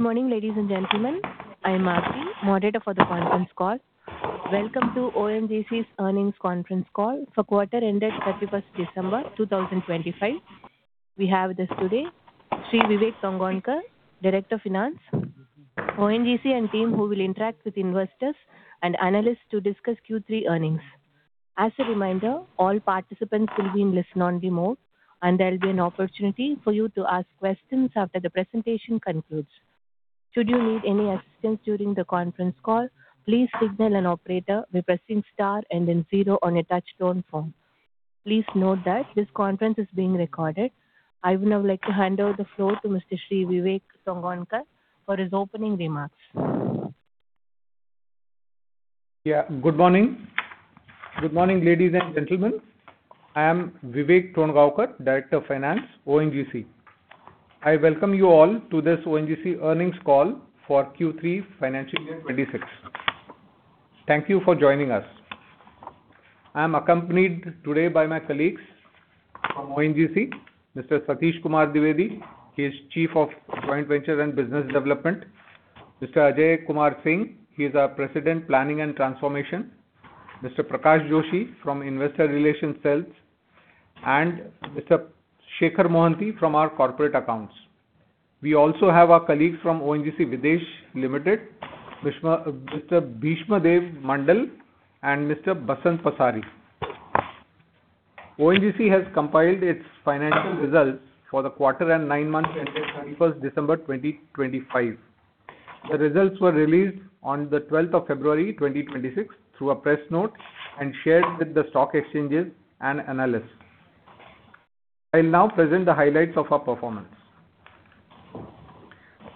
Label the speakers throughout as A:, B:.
A: Good morning, ladies and gentlemen, I am Madhuri, moderator for the conference call. Welcome to ONGC's Earnings Conference Call for quarter ended 31 December 2025. We have with us today, Shri Vivek Tongaonkar, Director of Finance, ONGC, and team, who will interact with investors and analysts to discuss Q3 earnings. As a reminder, all participants will be in listen-only mode, and there'll be an opportunity for you to ask questions after the presentation concludes. Should you need any assistance during the conference call, please signal an operator by pressing star and then zero on a touchtone phone. Please note that this conference is being recorded. I would now like to hand over the floor to Mr. Shri Vivek Tongaonkar for his opening remarks.
B: Yeah. Good morning. Good morning, ladies and gentlemen. I am Vivek Tongaonkar, Director of Finance, ONGC. I welcome you all to this ONGC earnings call for Q3 financial year 2026. Thank you for joining us. I'm accompanied today by my colleagues from ONGC, Mr. Satish Kumar Dwivedi, he is Chief of Joint Venture and Business Development, Mr. Ajay Kumar Singh, he is our President, Planning and Transformation, Mr. Prakash Joshi from Investor Relations cell, and Mr. Shekhar Mohanty from our Corporate Accounts. We also have our colleagues from ONGC Videsh Limited, Bhishmadev, Mr. Bhishmadev Mandal and Mr. Basant Pasari. ONGC has compiled its financial results for the quarter and 9 months ended 31 December 2025. The results were released on the 12 of February 2026, through a press note and shared with the stock exchanges and analysts. I'll now present the highlights of our performance.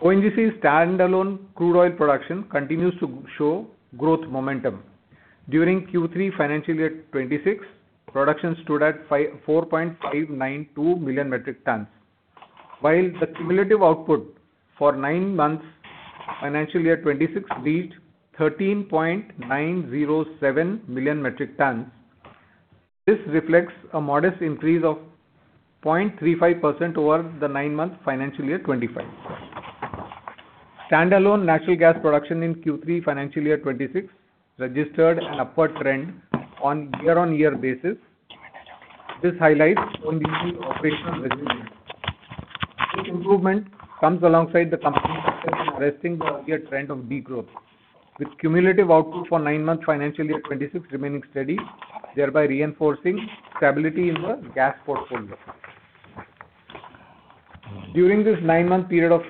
B: ONGC's standalone crude oil production continues to show growth momentum. During Q3 FY 2026, production stood at 4.592 million metric tons, while the cumulative output for nine months, FY 2026, reached 13.907 million metric tons. This reflects a modest increase of 0.35% over the nine-month FY 2025. Standalone natural gas production in Q3 FY 2026 registered an upward trend on year-on-year basis. This highlights ONGC operational resilience. This improvement comes alongside the company's success in arresting the earlier trend of degrowth, with cumulative output for nine-month FY 2026 remaining steady, thereby reinforcing stability in the gas portfolio. During this nine-month period of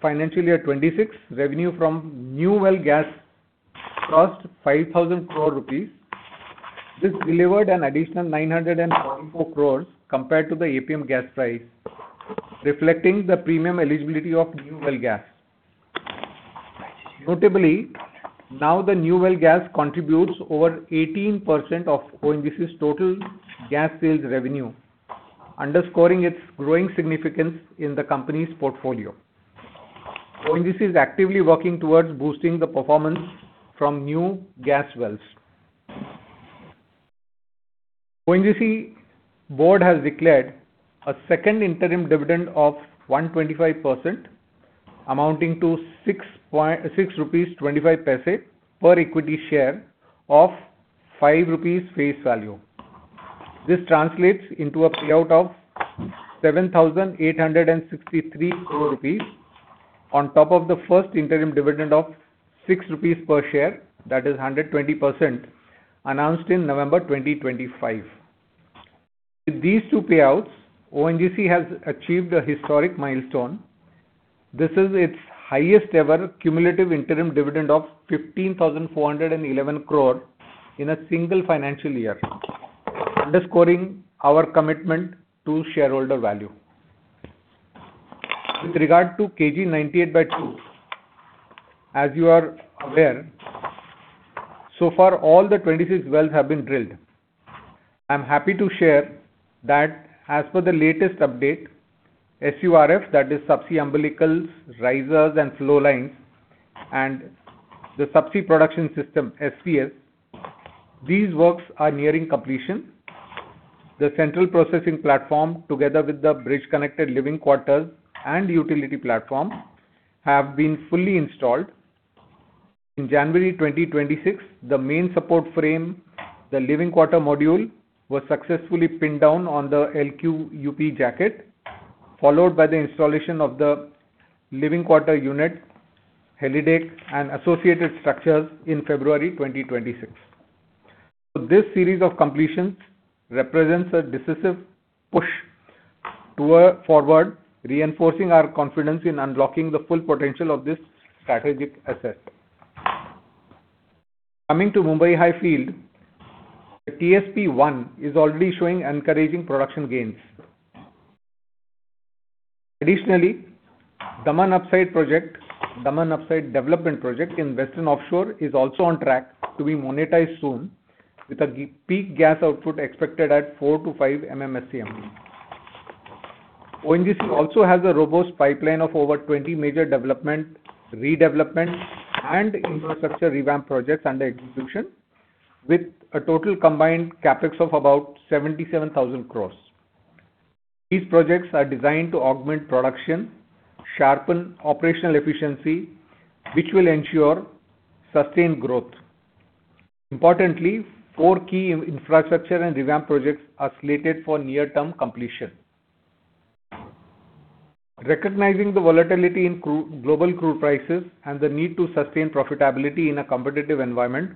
B: FY 2026, revenue from New Well Gas crossed 5,000 crore rupees. This delivered an additional 944 crore compared to the APM gas price, reflecting the premium eligibility of New Well Gas. Notably, now the New Well Gas contributes over 18% of ONGC's total gas sales revenue, underscoring its growing significance in the company's portfolio. ONGC is actively working towards boosting the performance from new gas wells. ONGC board has declared a second interim dividend of 125%, amounting to 6.25 rupees per equity share of 5 rupees face value. This translates into a payout of 7,863 crore rupees, on top of the first interim dividend of 6 rupees per share, that is 120%, announced in November 2025. With these two payouts, ONGC has achieved a historic milestone. This is its highest ever cumulative interim dividend of 15,411 crore in a single financial year, underscoring our commitment to shareholder value. With regard to KG-DWN-98/2, as you are aware, so far, all the 26 wells have been drilled. I'm happy to share that as per the latest update, SURF, that is, Subsea Umbilicals, Risers and Flow Lines, and the Subsea Production System, SPS, these works are nearing completion. The central processing platform, together with the bridge-connected living quarters and utility platform, have been fully installed. In January 2026, the main support frame, the living quarter module, was successfully pinned down on the LQUP jacket, followed by the installation of the living quarter unit, helideck and associated structures in February 2026. So this series of completions represents a decisive push to a forward, reinforcing our confidence in unlocking the full potential of this strategic asset. Coming to Mumbai High Field, the TSP-1 is already showing encouraging production gains. Additionally, Daman Upside Project, Daman Upside Development Project in Western Offshore is also on track to be monetized soon, with a peak gas output expected at 4-5 MMSCMD. ONGC also has a robust pipeline of over 20 major development, redevelopment, and infrastructure revamp projects under execution, with a total combined CapEx of about 77,000 crore. These projects are designed to augment production, sharpen operational efficiency, which will ensure sustained growth. Importantly, four key infrastructure and revamp projects are slated for near-term completion. Recognizing the volatility in global crude prices and the need to sustain profitability in a competitive environment,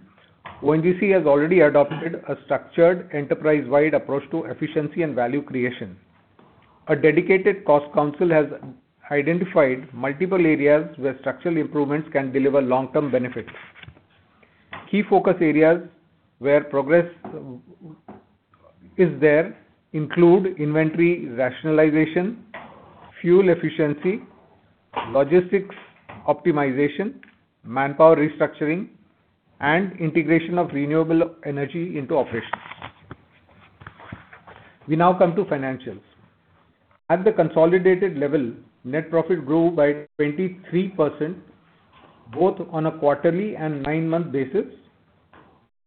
B: ONGC has already adopted a structured enterprise-wide approach to efficiency and value creation. A dedicated cost council has identified multiple areas where structural improvements can deliver long-term benefits. Key focus areas where progress is there include inventory rationalization, fuel efficiency, logistics optimization, manpower restructuring, and integration of renewable energy into operations. We now come to financials. At the consolidated level, net profit grew by 23%, both on a quarterly and nine-month basis.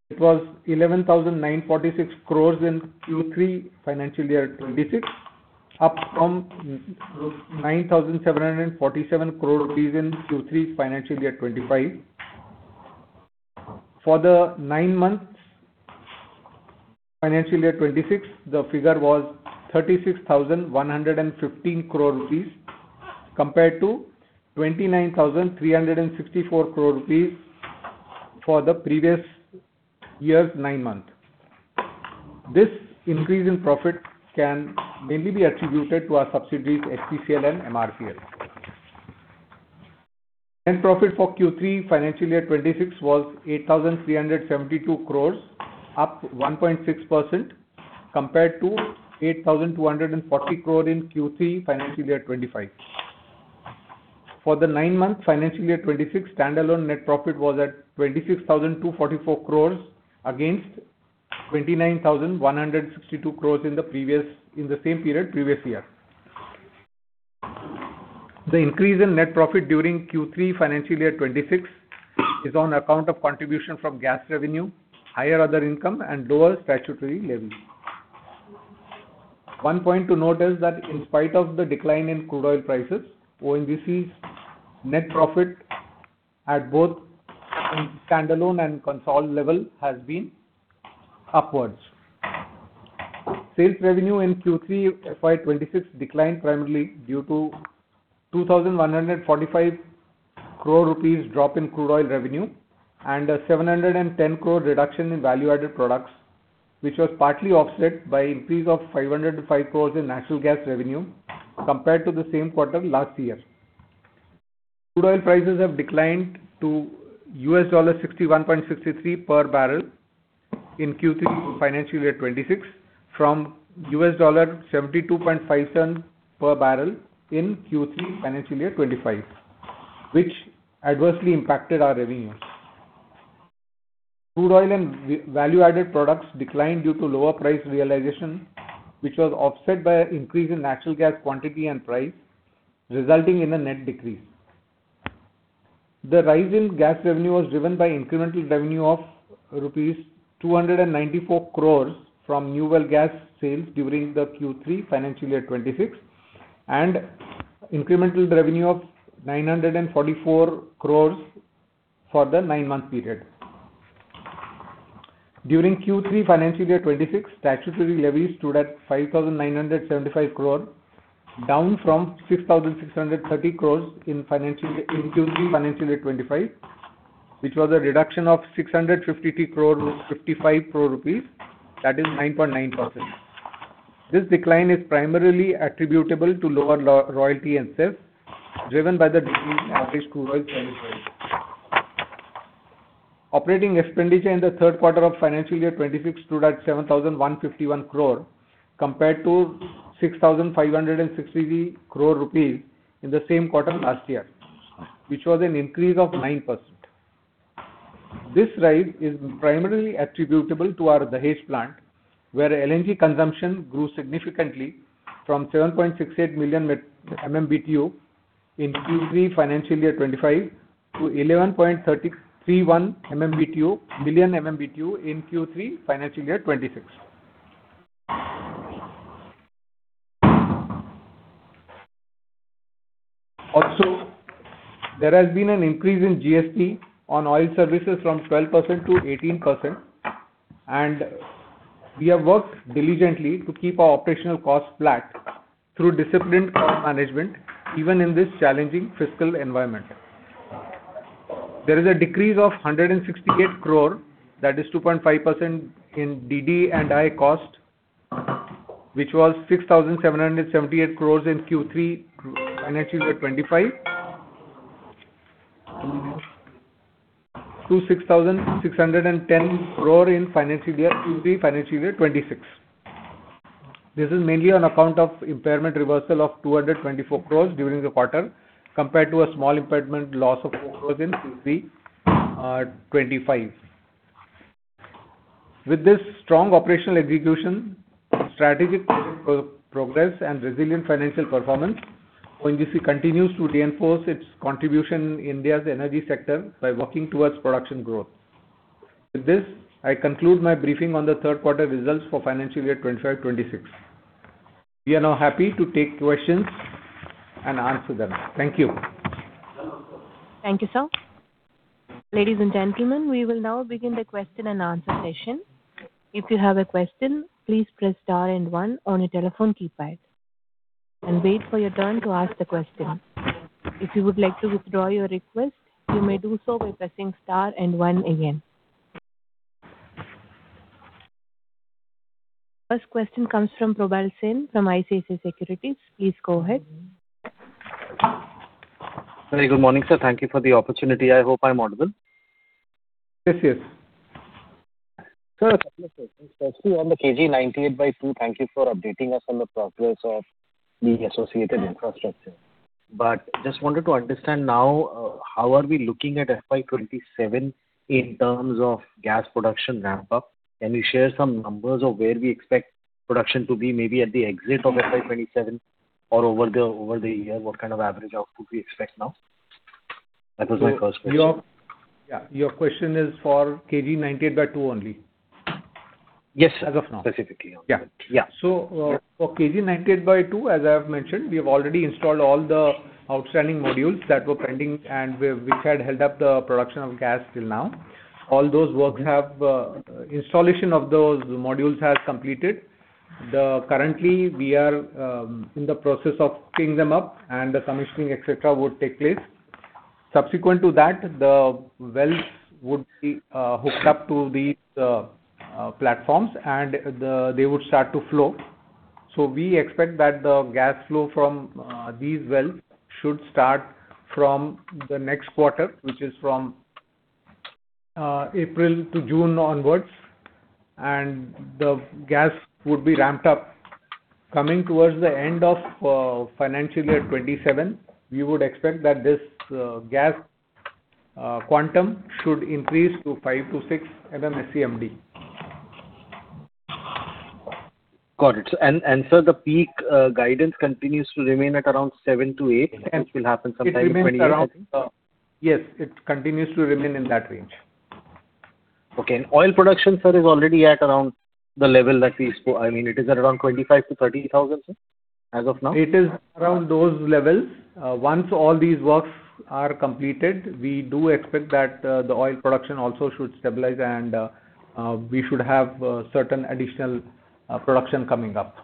B: It was 11,946 crore in Q3, financial year 2026, up from 9,747 crore rupees in Q3, financial year 2025. For the nine months, financial year 2026, the figure was 36,115 crore rupees, compared to 29,364 crore rupees for the previous year's nine months. This increase in profit can mainly be attributed to our subsidiaries, HPCL and MRPL. Net profit for Q3, financial year 2026, was 8,372 crore, up 1.6%, compared to 8,240 crore in Q3, financial year 2025. For the nine months, financial year 2026, standalone net profit was at 26,244 crore, against 29,162 crore in the same period previous year. The increase in net profit during Q3, financial year 2026, is on account of contribution from gas revenue, higher other income, and lower statutory levies. One point to note is that in spite of the decline in crude oil prices, ONGC's net profit at both standalone and consolidated level, has been upwards. Sales revenue in Q3 FY 2026 declined primarily due to 2,145 crore rupees drop in crude oil revenue, and a 710 crore reduction in value-added products, which was partly offset by increase of 505 crore in natural gas revenue compared to the same quarter last year. Crude oil prices have declined to $61.63 per barrel in Q3, financial year 2026, from $72.5 per barrel in Q3, financial year 2025, which adversely impacted our revenues. Crude oil and value-added products declined due to lower price realization, which was offset by an increase in natural gas quantity and price, resulting in a net decrease. The rise in gas revenue was driven by incremental revenue of rupees 294 crore from New Well Gas sales during Q3 financial year 2026, and incremental revenue of 944 crore for the nine-month period. During Q3 financial year 2026, statutory levies stood at 5,975 crore, down from 6,630 crore in Q3 financial year 2025, which was a reduction of 655 crore, that is, 9.9%. This decline is primarily attributable to lower royalty and CEPF, driven by the decrease in average crude oil price. Operating expenditure in the third quarter of financial year 2026 stood at 7,151 crore, compared to 6,560 crore rupees in the same quarter last year, which was an increase of 9%. This rise is primarily attributable to our Dahej plant, where LNG consumption grew significantly from 7.68 million MMBtu in Q3, financial year 2025, to 11.331 million MMBtu in Q3, financial year 2026. Also, there has been an increase in GST on oil services from 12% to 18%, and we have worked diligently to keep our operational costs flat through disciplined cost management, even in this challenging fiscal environment. There is a decrease of 168 crore, that is, 2.5% in DD&A cost, which was 6,778 crores in Q3, financial year 2025, to 6,610 crore in financial year Q3, financial year 2026. This is mainly on account of impairment reversal of 224 crores during the quarter, compared to a small impairment loss of 4 crores in Q3 2025. With this strong operational execution, strategic progress, and resilient financial performance, ONGC continues to reinforce its contribution in India's energy sector by working towards production growth. With this, I conclude my briefing on the third quarter results for financial year 2025-2026. We are now happy to take questions and answer them. Thank you.
A: Thank you, sir. Ladies and gentlemen, we will now begin the question and answer session. If you have a question, please press star and one on your telephone keypad, and wait for your turn to ask the question. If you would like to withdraw your request, you may do so by pressing star and one again. First question comes from Probal Sen, from ICICI Securities. Please go ahead.
C: Very good morning, sir. Thank you for the opportunity. I hope I'm audible.
B: Yes, yes.
C: Sir, on the KG 98/2, thank you for updating us on the progress of the associated infrastructure. But just wanted to understand now, how are we looking at FY 2027 in terms of gas production ramp-up? Can you share some numbers of where we expect production to be, maybe at the exit of FY 2027 or over the, over the year, what kind of average output we expect now? That was my first question.
B: So, yeah, your question is for KG 98/2 only?
C: Yes, as of now.
B: Specifically.
C: Yeah. Yeah.
B: So, for KG 98/2, as I have mentioned, we have already installed all the outstanding modules that were pending and we, which had held up the production of gas till now. All those works have installation of those modules has completed. Currently, we are in the process of picking them up, and the commissioning, et cetera, would take place. Subsequent to that, the wells would be hooked up to these platforms, and they would start to flow. So we expect that the gas flow from these wells should start from the next quarter, which is from April to June onwards, and the gas would be ramped up. Coming towards the end of financial year 2027, we would expect that this gas quantum should increase to 5-6 MMSCMD.
C: Got it. And, and so the peak guidance continues to remain at around 7-8?
B: Yes.
C: Which will happen sometime in 20.
B: It remains around. Yes, it continues to remain in that range.
C: Okay. And oil production, sir, is already at around the level that we, I mean, it is at around 25,000-30,000, sir, as of now?
B: It is around those levels. Once all these works are completed, we do expect that the oil production also should stabilize and we should have certain additional production coming up.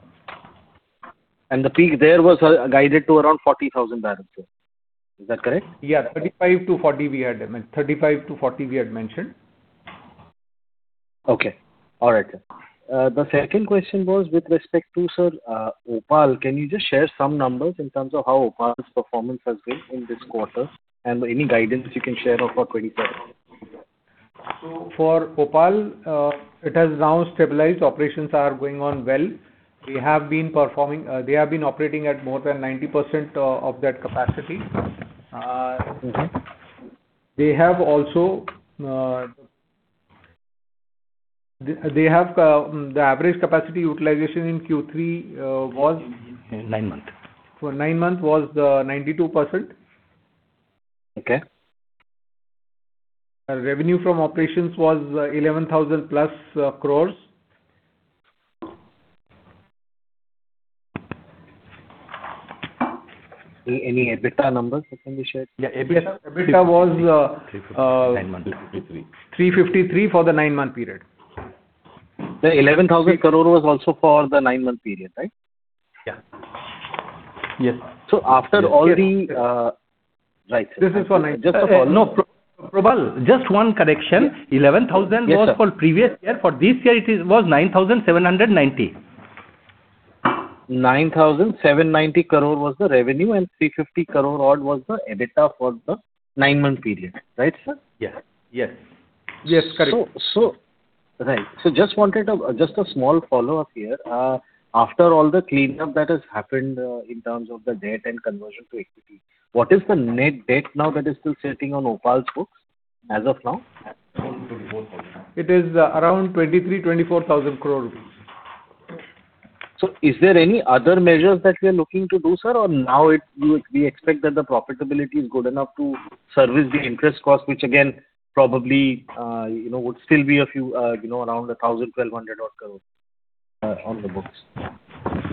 C: The peak there was guided to around 40,000 barrels, sir. Is that correct?
B: Yeah, 35,000-40,000, we had mentioned. 35,000-40,000, we had mentioned.
C: Okay. All right, sir. The second question was with respect to, sir, OPaL. Can you just share some numbers in terms of how OPaL's performance has been in this quarter, and any guidance you can share about 2025?
B: So for OPaL, it has now stabilized. Operations are going on well. We have been performing. They have been operating at more than 90% of that capacity.
C: Mm-hmm.
B: They have also the average capacity utilization in Q3 was.
C: Nine months.
B: For nine months was 92%.
C: Okay.
B: Revenue from operations was 11,000+ crore.
C: Any EBITDA numbers that can be shared?
B: Yeah, EBITDA was.
D: 9 months, INR 353.
B: 353 for the 9-month period.
C: The 11,000 crore was also for the nine-month period, right?
B: Yeah. Yes.
C: So after all the, right.
B: This is for nine.
C: Just to follow.
D: No, Probal, just one correction.
C: Yes.
D: 11,000 was for previous year. For this year, it was 9,790.
C: 9,790 crore was the revenue, and 350 crore odd was the EBITDA for the nine-month period. Right, sir?
B: Yeah. Yes. Yes, correct.
C: So, right. Just wanted a small follow-up here. After all the cleanup that has happened, in terms of the debt and conversion to equity, what is the net debt now that is still sitting on OPaL's books, as of now?
B: It is around 23,000 crore-24,000 crore rupees.
C: So is there any other measures that we are looking to do, sir? Or now we expect that the profitability is good enough to service the interest cost, which again, probably, you know, would still be a few, you know, around 1,000-1,200 crore on the books.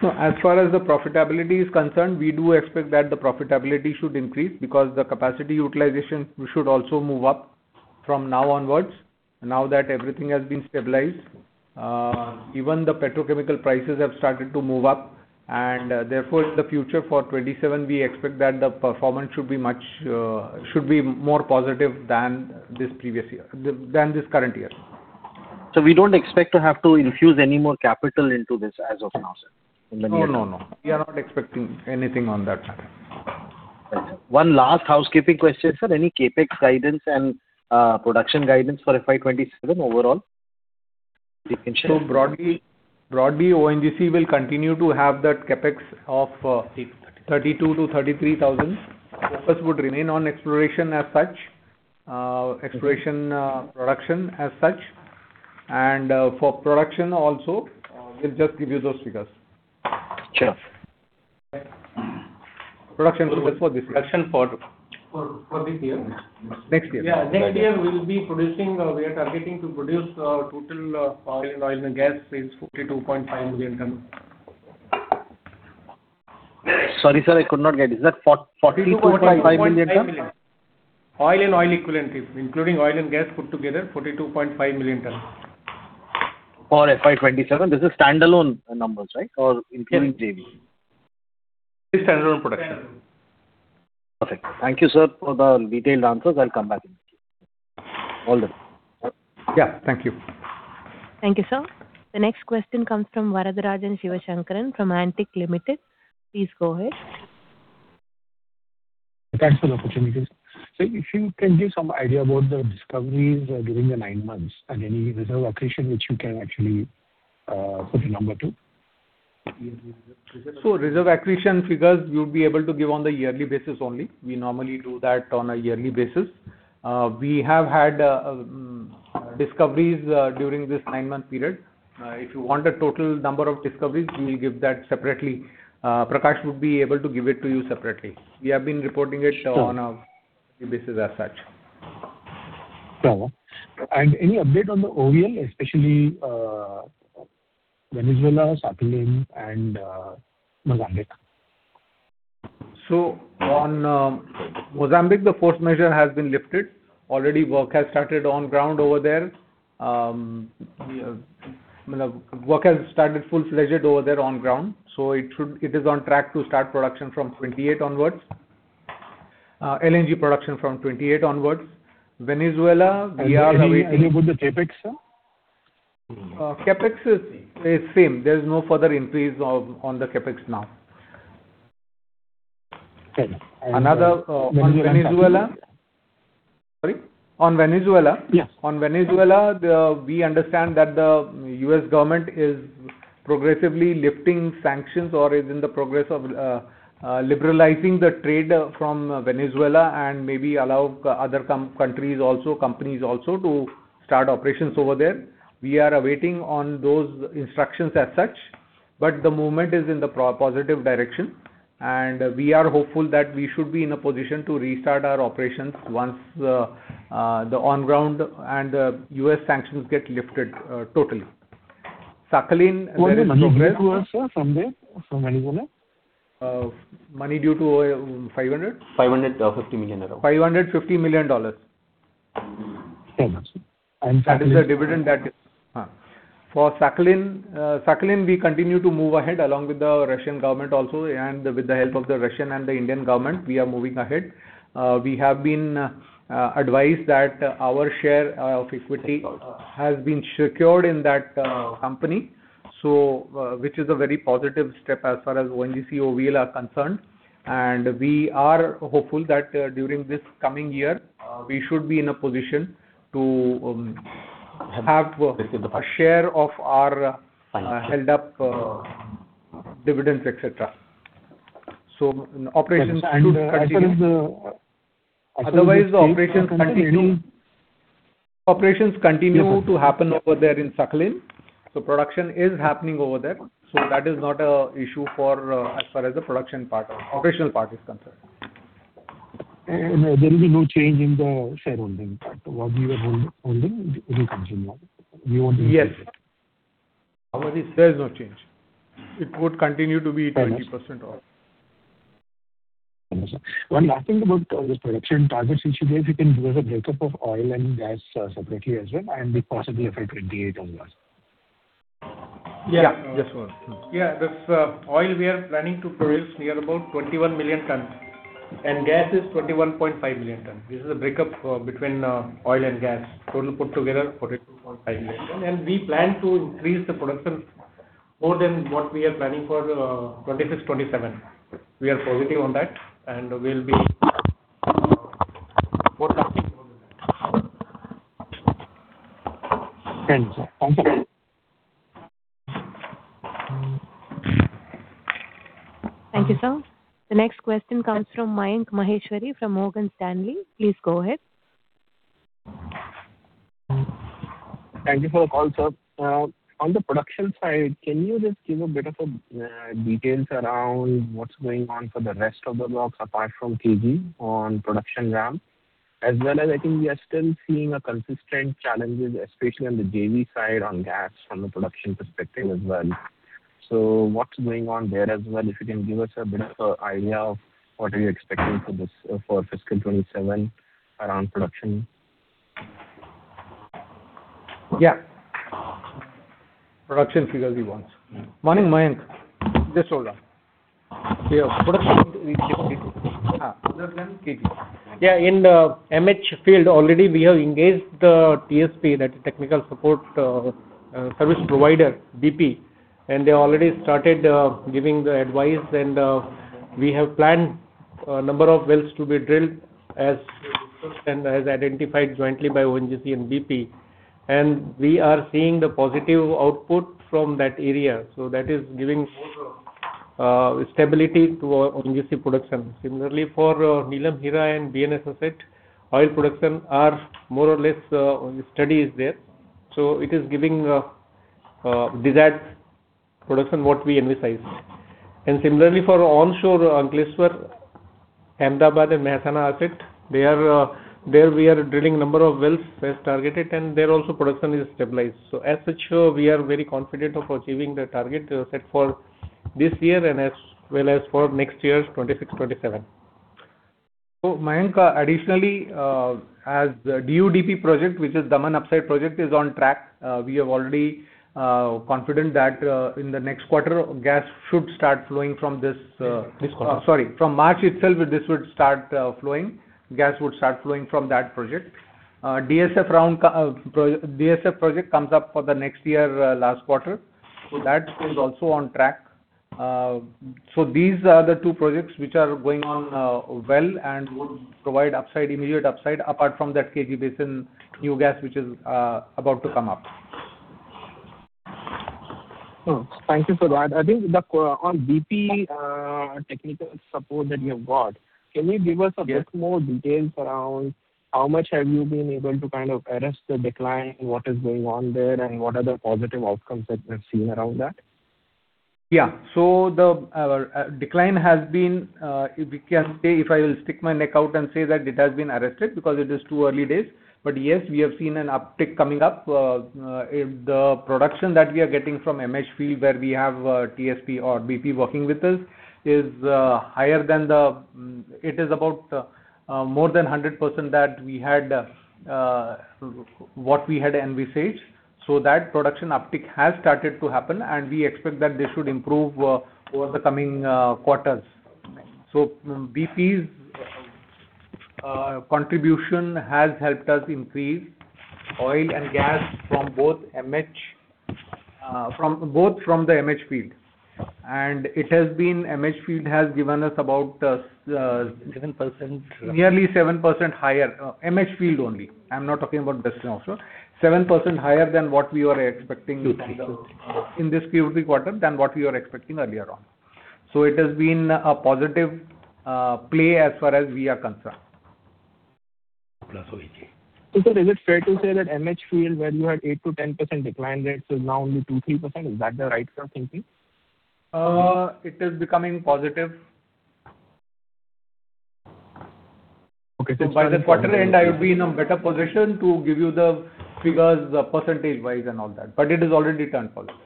B: No, as far as the profitability is concerned, we do expect that the profitability should increase because the capacity utilization should also move up from now onwards, now that everything has been stabilized. Even the petrochemical prices have started to move up, and, therefore, in the future, for 2027, we expect that the performance should be much, should be more positive than this previous year, than this current year.
C: We don't expect to have to infuse any more capital into this as of now, sir, in the near term?
B: No, no, no. We are not expecting anything on that.
C: One last housekeeping question, sir. Any CapEx guidance and, production guidance for FY 2027 overall, you can share?
B: So broadly, ONGC will continue to have that CapEx of 32,000-33,000. The first would remain on exploration as such, production as such. And, for production also, we'll just give you those figures.
C: Sure.
B: Production for this year?
C: Next year.
B: Yeah, next year we'll be producing. We are targeting to produce total oil and gas is 42.5 million tons.
C: Sorry, sir, I could not get. Is that 42.5 million tons?
B: Oil and oil equivalent, including oil and gas put together, 42.5 million tons.
C: For FY 2027, this is standalone numbers, right? Or including JV.
B: It's standalone production.
C: Perfect. Thank you, sir, for the detailed answers. I'll come back again. All done.
B: Yeah. Thank you.
A: Thank you, sir. The next question comes from Varatharajan Sivasankaran from Antique Limited. Please go ahead.
E: Thanks for the opportunity, sir. If you can give some idea about the discoveries during the nine months and any reserve accretion which you can actually put a number to?
B: So reserve accretion figures, we would be able to give on the yearly basis only. We normally do that on a yearly basis. We have had discoveries during this nine-month period. If you want the total number of discoveries, we will give that separately. Prakash would be able to give it to you separately. We have been reporting it.
E: Sure.
B: On a basis as such.
E: Sure. Any update on the OVL, especially Venezuela, Sakhalin, and Mozambique?
B: So on Mozambique, the force majeure has been lifted. Already work has started on ground over there. Work has started full-fledged over there on ground, so it is on track to start production from 2028 onwards, LNG production from 2028 onwards. Venezuela, we are waiting.
E: Any good with the CapEx, sir?
B: CapEx is same. There is no further increase on the CapEx now.
E: Okay.
B: Another, on Venezuela. Sorry? On Venezuela.
E: Yes.
B: On Venezuela, we understand that the U.S. government is progressively lifting sanctions or is in the progress of liberalizing the trade from Venezuela and maybe allow other countries also, companies also, to start operations over there. We are awaiting on those instructions as such, but the movement is in the positive direction, and we are hopeful that we should be in a position to restart our operations once the on ground and U.S. sanctions get lifted totally. Sakhalin, there is no.
E: Money due to us, sir, from there, from Venezuela?
B: Money due to $500?
D: $550 million.
B: $550 million.
E: Thank you.
B: That is the dividend that. For Sakhalin, Sakhalin, we continue to move ahead, along with the Russian government also, and with the help of the Russian and the Indian government, we are moving ahead. We have been advised that our share of equity has been secured in that company, so, which is a very positive step as far as ONGC OVL are concerned. And we are hopeful that, during this coming year, we should be in a position to have a share of our held up dividends, et cetera. So operations should continue.
E: And, and.
B: Otherwise, the operations continuing. Operations continue to happen over there in Sakhalin. So production is happening over there, so that is not an issue for, as far as the production part, operational part is concerned.
E: There will be no change in the shareholding part. What we were holding, it will continue now? You want to.
B: Yes. There is no change. It would continue to be 20% off.
E: One last thing about this production targets, which you gave. You can give us a breakup of oil and gas separately as well, and the possibly affect 2028 onwards?
B: Yeah.
E: Yes, sir.
B: Yeah, this oil we are planning to produce near about 21 million tons, and gas is 21.5 million tons. This is a breakup between oil and gas. Total put together, 42.5 million. And we plan to increase the production more than what we are planning for 2026, 2027. We are positive on that, and we'll be more than before.
E: Thanks. Thank you.
A: Thank you, sir. The next question comes from Mayank Maheshwari from Morgan Stanley. Please go ahead.
F: Thank you for the call, sir. On the production side, can you just give a bit of, details around what's going on for the rest of the blocks, apart from KG, on production ramp? As well as I think we are still seeing a consistent challenges, especially on the JV side, on gas, from a production perspective as well. So what's going on there as well? If you can give us a bit of a idea of what are you expecting for this, for fiscal 2027 around production.
B: Yeah.
G: Production figures he wants.
D: Morning, Mayank.
G: Just hold on.
B: We have production in the MH Field. Already we have engaged the TSP, that Technical Service Provider, BP, and they already started giving the advice. And we have planned a number of wells to be drilled as, and as identified jointly by ONGC and BP. And we are seeing the positive output from that area, so that is giving stability to our ONGC production. Similarly, for Neelam-Heera, and BNSS asset, oil production are more or less steady is there. So it is giving desired production what we envisage. And similarly, for onshore, Ankleshwar, Ahmedabad, and Mehsana asset, they are there we are drilling a number of wells as targeted, and there also production is stabilized. So as such, we are very confident of achieving the target, set for this year and as well as for next year, 2026, 2027. So Mayank, additionally, as DUDP project, which is Daman Upside Project, is on track, we have already, confident that, in the next quarter, gas should start flowing from this,
G: This quarter.
B: Sorry, from March itself, this would start flowing. Gas would start flowing from that project. DSF project comes up for the next year, last quarter. So that is also on track. So these are the two projects which are going on well and would provide upside, immediate upside, apart from that KG Basin new gas, which is about to come up.
F: Oh, thank you, Sir. I think the company on BP technical support that you have got. Can you give us.
B: Yes.
F: A little more details around how much have you been able to kind of arrest the decline? What is going on there, and what are the positive outcomes that you have seen around that?
B: Yeah. So the decline has been, we can say, if I will stick my neck out and say that it has been arrested because it is too early days. But yes, we have seen an uptick coming up. If the production that we are getting from MH field, where we have TSP or BP working with us, is higher than the, it is about more than 100% that we had what we had envisaged. So that production uptick has started to happen, and we expect that this should improve over the coming quarters. So BP's contribution has helped us increase oil and gas from both MH, from both from the MH field. And it has been, MH field has given us about
G: Seven percent.
B: Nearly 7% higher, MH field only. I'm not talking about basin onshore. 7% higher than what we were expecting.
G: Two, three.
B: In this Q3 quarter than what we were expecting earlier on. So it has been a positive play as far as we are concerned.
F: Is it fair to say that MH Field, where you had 8%-10% decline rates, is now only 2%-3%? Is that the right way of thinking?
B: It is becoming positive.
F: Okay.
B: So by the quarter end, I would be in a better position to give you the figures, percentage-wise and all that, but it is already turned positive.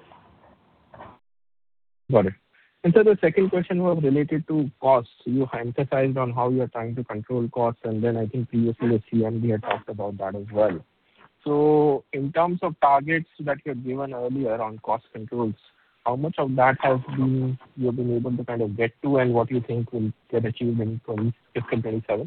F: Got it. And so the second question was related to costs. You emphasized on how you are trying to control costs, and then I think previously the CMD had talked about that as well. So in terms of targets that you had given earlier on cost controls, how much of that has been, you have been able to kind of get to, and what you think will get achieved in fiscal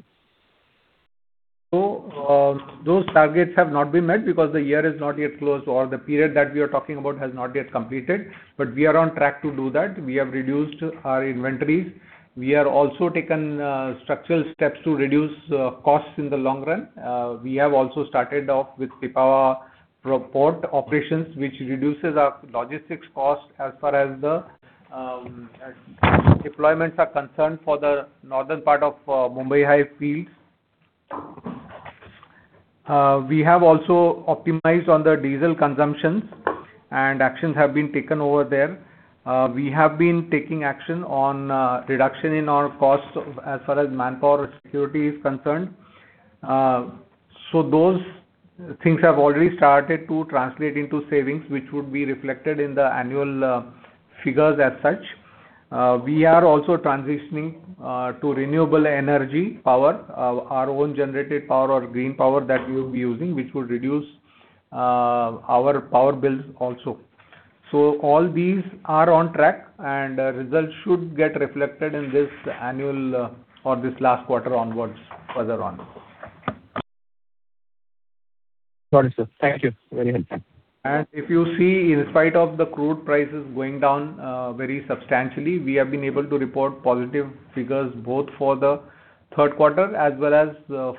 F: 2027?
B: So, those targets have not been met because the year is not yet closed, or the period that we are talking about has not yet completed, but we are on track to do that. We have reduced our inventories. We have also taken structural steps to reduce costs in the long run. We have also started off with Pipavav Port operations, which reduces our logistics cost as far as the deployments are concerned for the northern part of Mumbai High Fields. We have also optimized on the diesel consumptions, and actions have been taken over there. We have been taking action on reduction in our costs as far as manpower or security is concerned. So those things have already started to translate into savings, which would be reflected in the annual figures as such. We are also transitioning to renewable energy power, our own generated power or green power that we will be using, which will reduce our power bills also. So all these are on track, and results should get reflected in this annual or this last quarter onwards, further on.
F: Got it, sir. Thank you. Very helpful.
B: If you see, in spite of the crude prices going down very substantially, we have been able to report positive figures, both for the third quarter as well as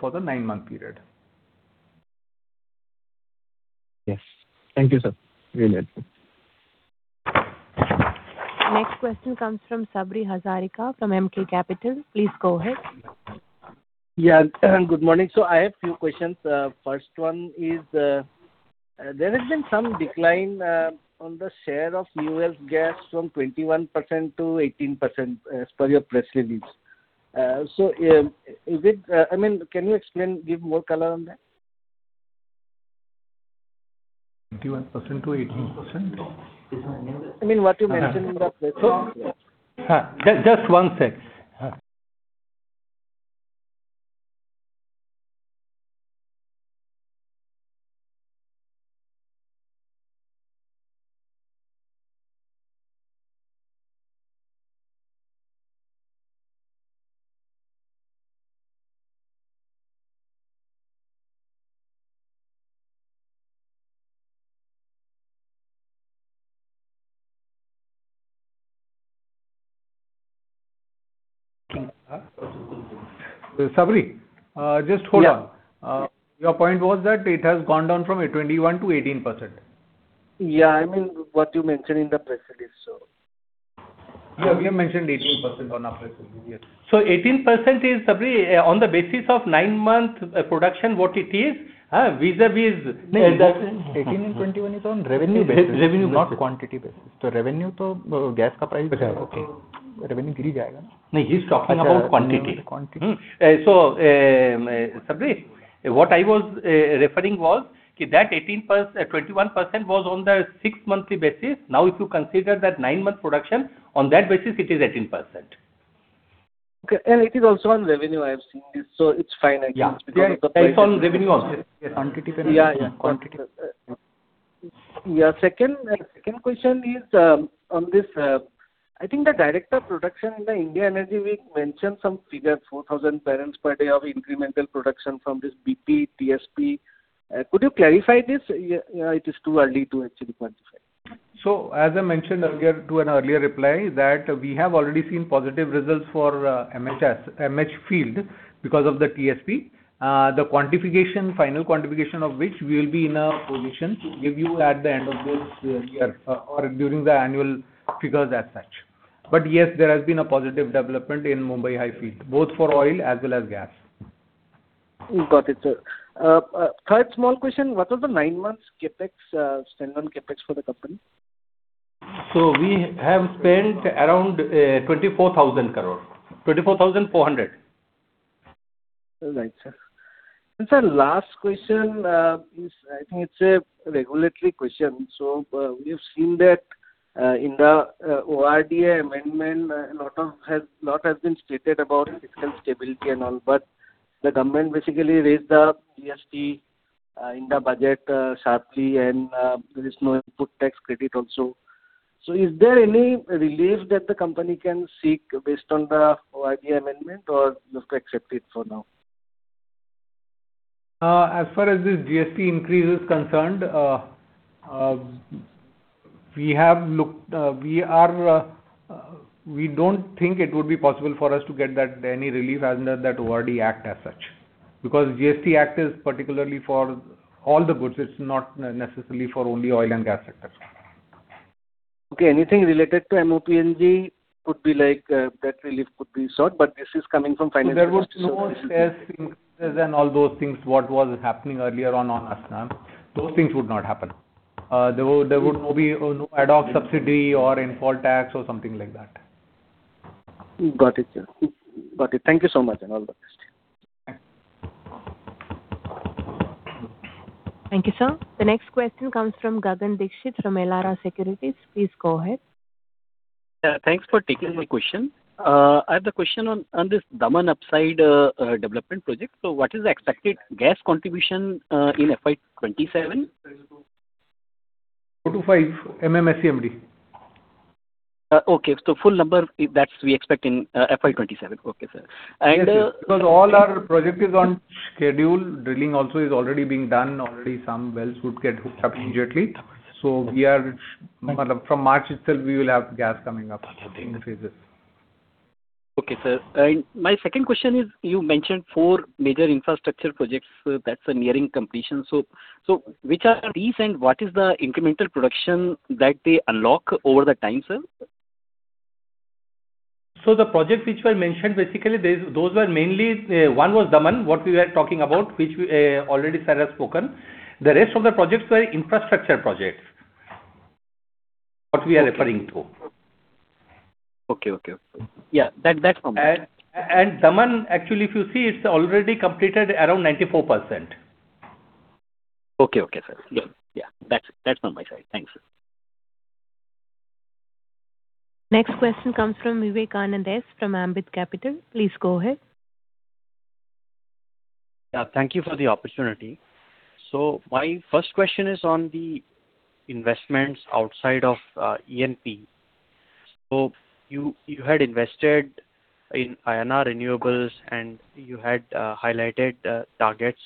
B: for the nine-month period.
F: Yes. Thank you, sir. Very helpful.
A: Next question comes from Sabri Hazarika, from Emkay Capital. Please go ahead.
H: Yeah, good morning. I have few questions. First one is, there has been some decline on the share of New Well Gas from 21% to 18%, as per your press release. Is it, I mean, can you explain, give more color on that?
G: 21%-18%?
H: I mean, what you mentioned in the press release.
B: Huh. Just one sec. Sabri, just hold on.
H: Yeah.
B: Your point was that it has gone down from 21% to 18%.
H: Yeah. I mean, what you mentioned in the press release, sir. You have mentioned 18% on April.
B: So 18% is, Sabri, on the basis of nine-month production, what it is, huh, vis-à-vis is.
I: No, 18 and 21 is on revenue basis.
B: Revenue basis.
I: Not quantity basis. So revenue to, gas price, revenue
B: Okay.
I: Revenue.
B: No, he's talking about quantity.
I: Quantity.
B: So, Sabri, what I was referring was that 21% was on the six-monthly basis. Now, if you consider that nine-month production, on that basis, it is 18%.
H: Okay, and it is also on revenue. I have seen this, so it's fine, I think.
B: Yeah. It's on revenue also.
I: Quantity. Yeah, yeah, quantity.
H: Yeah, second question is, on this, I think the Director of Production in the India Energy Week mentioned some figures, 4,000 barrels per day of incremental production from this BP, TSP. Could you clarify this? Yeah, it is too early to actually quantify.
B: So as I mentioned earlier to an earlier reply, that we have already seen positive results for MHS, MH field, because of the TSP. The quantification, final quantification of which we will be in a position to give you at the end of this year or during the annual figures as such. But yes, there has been a positive development in Mumbai High Field, both for oil as well as gas.
H: Got it, sir. Third small question: What are the nine months CapEx spend on CapEx for the company?
B: We have spent around 24,000 crore. 24,400 crore.
H: Right, sir. And sir, last question, is I think it's a regulatory question. So, we have seen that, in the ORD Amendment, a lot has been stated about fiscal stability and all, but the government basically raised the GST in the budget sharply, and there is no input tax credit also. So is there any relief that the company can seek based on the ORD Amendment, or just accept it for now?
B: As far as this GST increase is concerned, we have looked, we are, we don't think it would be possible for us to get that any relief as under that ORD Act as such, because GST Act is particularly for all the goods, it's not necessarily for only oil and gas sectors.
H: Okay, anything related to M/o P&G could be like, that relief could be sought, but this is coming from financial.
B: There was no price increases and all those things, what was happening earlier on, on Assam, those things would not happen. There would, there would not be no ad hoc subsidy or import tax or something like that.
H: Got it, sir. Got it. Thank you so much, and all the best.
A: Thank you, sir. The next question comes from Gagan Dixit, from Elara Securities. Please go ahead.
J: Yeah, thanks for taking my question. I have the question on this Daman Upside Development Project. So what is the expected gas contribution in FY 2027?
B: 4-5 MMSCMD.
J: Okay. So full number that we expect in FY 2027. Okay, sir. And.
B: Yes, yes. Because all our project is on schedule. Drilling also is already being done. Already some wells would get hooked up immediately. So we are, from March itself, we will have gas coming up in phases.
J: Okay, sir. My second question is: You mentioned four major infrastructure projects that are nearing completion. So which are these and what is the incremental production that they unlock over the time, sir?
B: So the projects which were mentioned, basically, those, those were mainly, one was Daman, what we were talking about, which we, already sir has spoken. The rest of the projects were infrastructure projects, what we are referring to.
J: Okay, okay. Yeah, that, that's from me.
B: Daman, actually, if you see, it's already completed around 94%.
J: Okay, okay, sir. Yeah. Yeah, that's, that's from my side. Thanks.
A: Next question comes from Vivekanand S., from Ambit Capital. Please go ahead.
K: Yeah, thank you for the opportunity. So my first question is on the investments outside of E&P. So you, you had invested in our renewables, and you had highlighted targets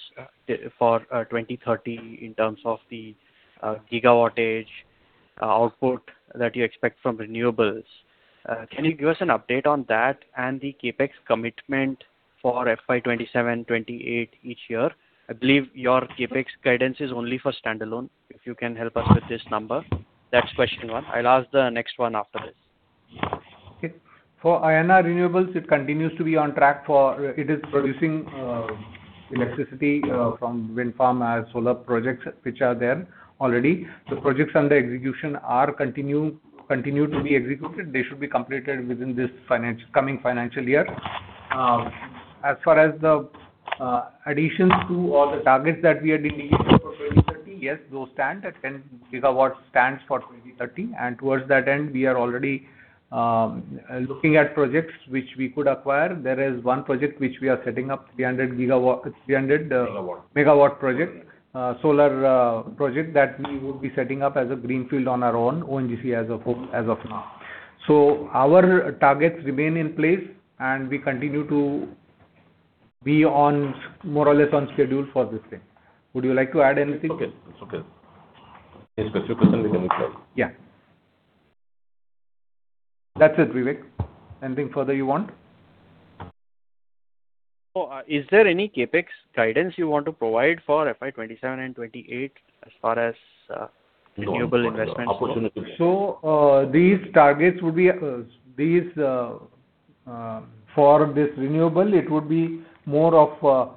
K: for 2030 in terms of the gigawattage output that you expect from renewables. Can you give us an update on that and the CapEx commitment for FY 2027, 2028 each year? I believe your CapEx guidance is only for standalone. If you can help us with this number, that's question one. I'll ask the next one after this.
B: Okay. For ONGC renewables, it continues to be on track for. It is producing electricity from wind farm and solar projects, which are there already. The projects under execution continue to be executed. They should be completed within this coming financial year. As far as the additions to or the targets that we had been given for 2030, yes, those stand at 10 GW, stands for 2030, and towards that end, we are already looking at projects which we could acquire. There is one project which we are setting up, 300 GW, 300.
G: Megawatt.
B: Megawatt project, solar project that we would be setting up as a greenfield on our own, ONGC as of, as of now. So our targets remain in place, and we continue to be on, more or less on schedule for this thing. Would you like to add anything?
G: Okay. It's okay. Any specific question we can try?
B: Yeah. That's it, Vivek. Anything further you want?
K: So, is there any CapEx guidance you want to provide for FY 2027 and 2028, as far as renewable investments?
B: These targets would be these for this renewable. It would be more of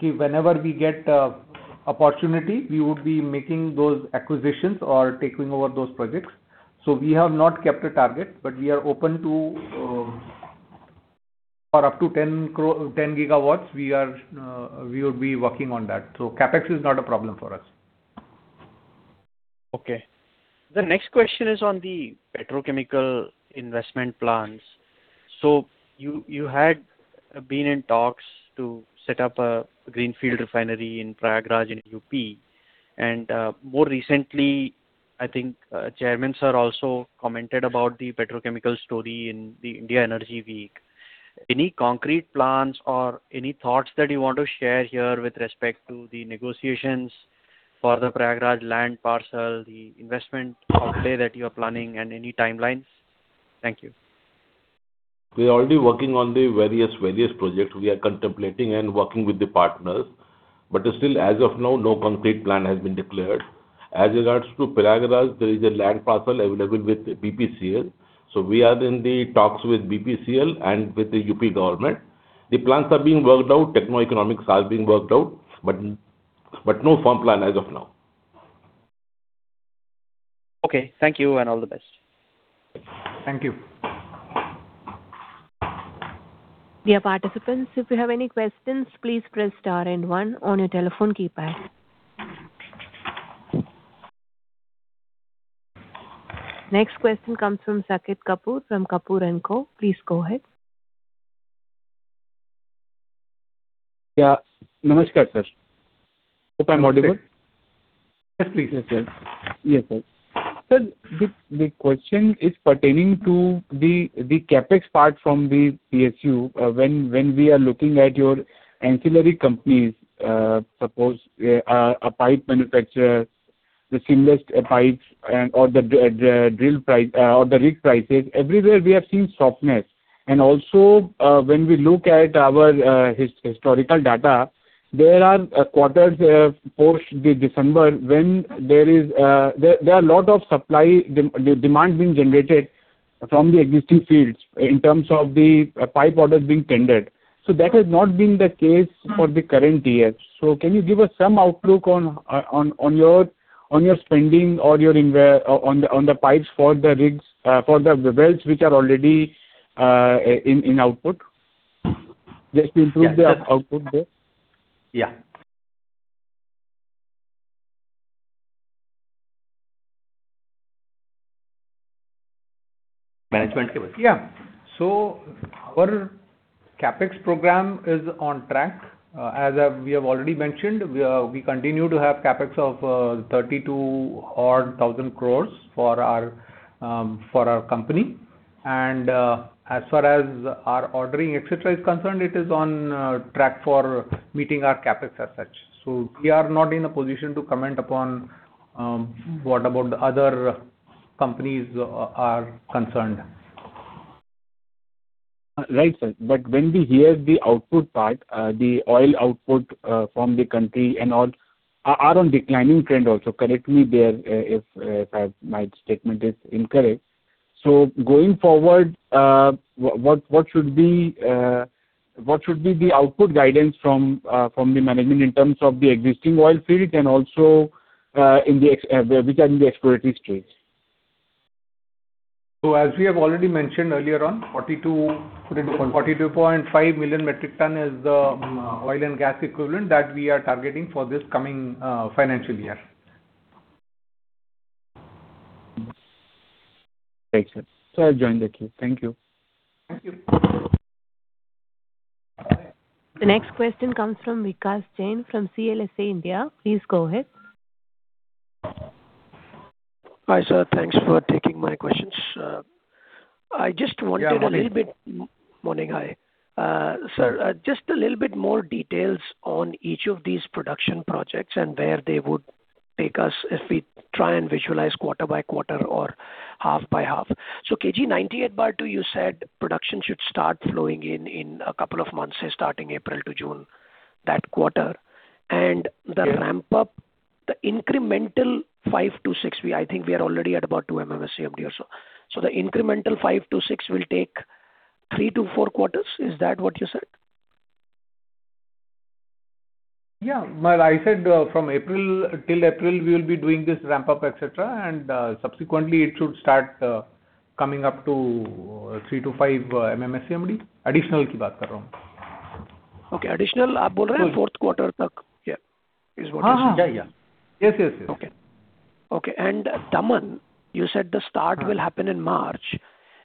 B: whenever we get opportunity, we would be making those acquisitions or taking over those projects. We have not kept a target, but we are open to for up to 10 gigawatts. We will be working on that. CapEx is not a problem for us.
K: Okay. The next question is on the petrochemical investment plans. So you had been in talks to set up a greenfield refinery in Prayagraj, in UP. And, more recently, I think, Chairman sir also commented about the petrochemical story in the India Energy Week. Any concrete plans or any thoughts that you want to share here with respect to the negotiations for the Prayagraj land parcel, the investment outlay that you are planning and any timelines? Thank you.
G: We are already working on the various, various projects we are contemplating and working with the partners. But still, as of now, no concrete plan has been declared. As regards to Prayagraj, there is a land parcel available with BPCL. So we are in the talks with BPCL and with the UP government. The plans are being worked out, techno-economics are being worked out, but, but no firm plan as of now.
K: Okay. Thank you, and all the best.
B: Thank you.
A: Dear participants, if you have any questions, please press star and one on your telephone keypad. Next question comes from Saket Kapoor, from Kapoor & Co. Please go ahead.
L: Yeah. Namaskar, sir. Hope I'm audible?
G: Yes, please.
L: Yes, yes. Yes, sir. Sir, the question is pertaining to the CapEx part from the PSU. When we are looking at your ancillary companies, suppose a pipe manufacturer, the seamless pipes and/or the drill pipe, or the rig prices, everywhere we have seen softness. And also, when we look at our historical data, there are quarters post the December, when there is a lot of supply-demand being generated from the existing fields in terms of the pipe orders being tendered. So that has not been the case for the current year. So can you give us some outlook on your spending or your investment on the pipes for the rigs for the wells which are already in output? Just improve the output there.
B: Yeah.
L: Management?
B: Yeah. So our CapEx program is on track. As we have already mentioned, we continue to have CapEx of 32 odd thousand crore for our company. And, as far as our ordering, et cetera, is concerned, it is on track for meeting our CapEx as such. So we are not in a position to comment upon what about the other companies are concerned.
L: Right, sir. But when we hear the output part, the oil output from the country and all, are on declining trend also. Correct me there, if my statement is incorrect. So going forward, what should be the output guidance from the management in terms of the existing oil field and also in the which are in the exploratory stage?
B: As we have already mentioned earlier on, 42 million-42.5 million metric tonnes is the oil and gas equivalent that we are targeting for this coming financial year.
L: Thanks, sir. So I join the queue. Thank you.
B: Thank you.
A: The next question comes from Vikas Jain, from CLSA India. Please go ahead.
M: Hi, sir. Thanks for taking my questions. I just wanted a little bit.
B: Yeah, good morning.
M: Morning. Hi. Sir, just a little bit more details on each of these production projects and where they would take us if we try and visualize quarter by quarter or half by half. So KG 98, you said production should start flowing in a couple of months, say starting April to June, that quarter.
B: Yeah.
M: The ramp up, the incremental 5-6, we, I think we are already at about 2 MMSCMD or so. So the incremental 5-6 will take 3-4 quarters? Is that what you said?
B: Yeah, well, I said from April till April we will be doing this ramp up, et cetera, and subsequently it should start coming up to 3-5 MMSCMD, additional.
M: Okay, additional fo.rth quarter, yeah, is what-
B: Yeah. Yes, yes, yes.
M: Okay. Okay, and Daman, you said the start will happen in March,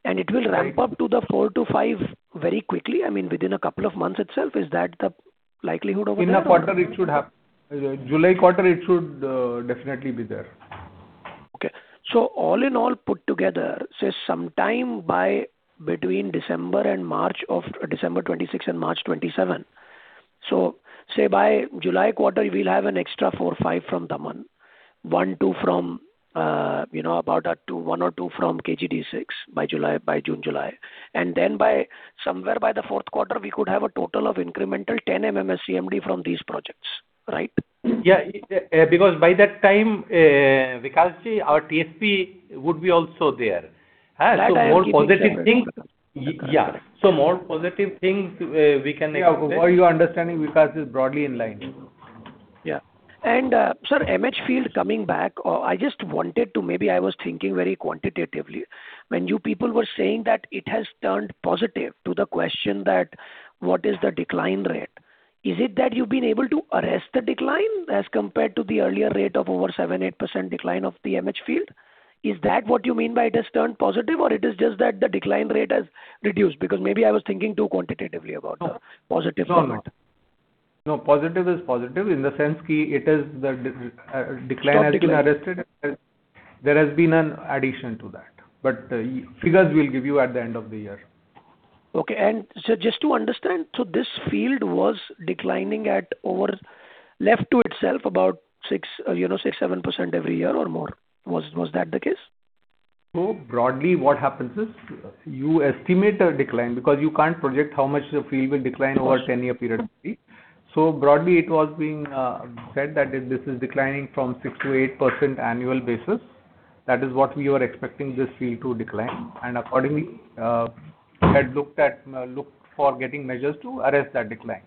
M: and it will ramp up to the 4-5 very quickly, I mean, within a couple of months itself, is that the likelihood over there?
B: In the quarter, it should happen. July quarter, it should definitely be there.
M: Okay. So all in all, put together, say sometime between December and March of December 2026 and March 2027. So say by July quarter, we'll have an extra 4-5 from Daman. 1-2 from, you know, about a 2, 1 or 2 from KG-D6 by July, by June, July. And then by somewhere by the fourth quarter, we could have a total of incremental 10 MMSCMD from these projects, right?
D: Yeah, because by that time, Vikas ji, our TSP would be also there. Huh, so more positive things.
M: Correct.
D: Yeah, so more positive things, we can expect.
B: Yeah, what you are understanding, Vikas, is broadly in line.
M: Yeah. And, sir, MH field coming back, or I just wanted to maybe I was thinking very quantitatively. When you people were saying that it has turned positive to the question that what is the decline rate, is it that you've been able to arrest the decline as compared to the earlier rate of over 7%-8% decline of the MH field? Is that what you mean by it has turned positive, or it is just that the decline rate has reduced? Because maybe I was thinking too quantitatively about the positive or not.
B: No, positive is positive in the sense that it is the decline has been arrested. There has been an addition to that, but figures we'll give you at the end of the year.
M: Okay. And so just to understand, so this field was declining at over, left to itself, about 6%, you know, 6%-7% every year or more. Was that the case?
B: So broadly, what happens is you estimate a decline because you can't project how much the field will decline over a 10-year period. So broadly, it was being said that this is declining from 6%-8% annual basis. That is what we were expecting this field to decline, and accordingly, had looked at, looked for getting measures to arrest that decline.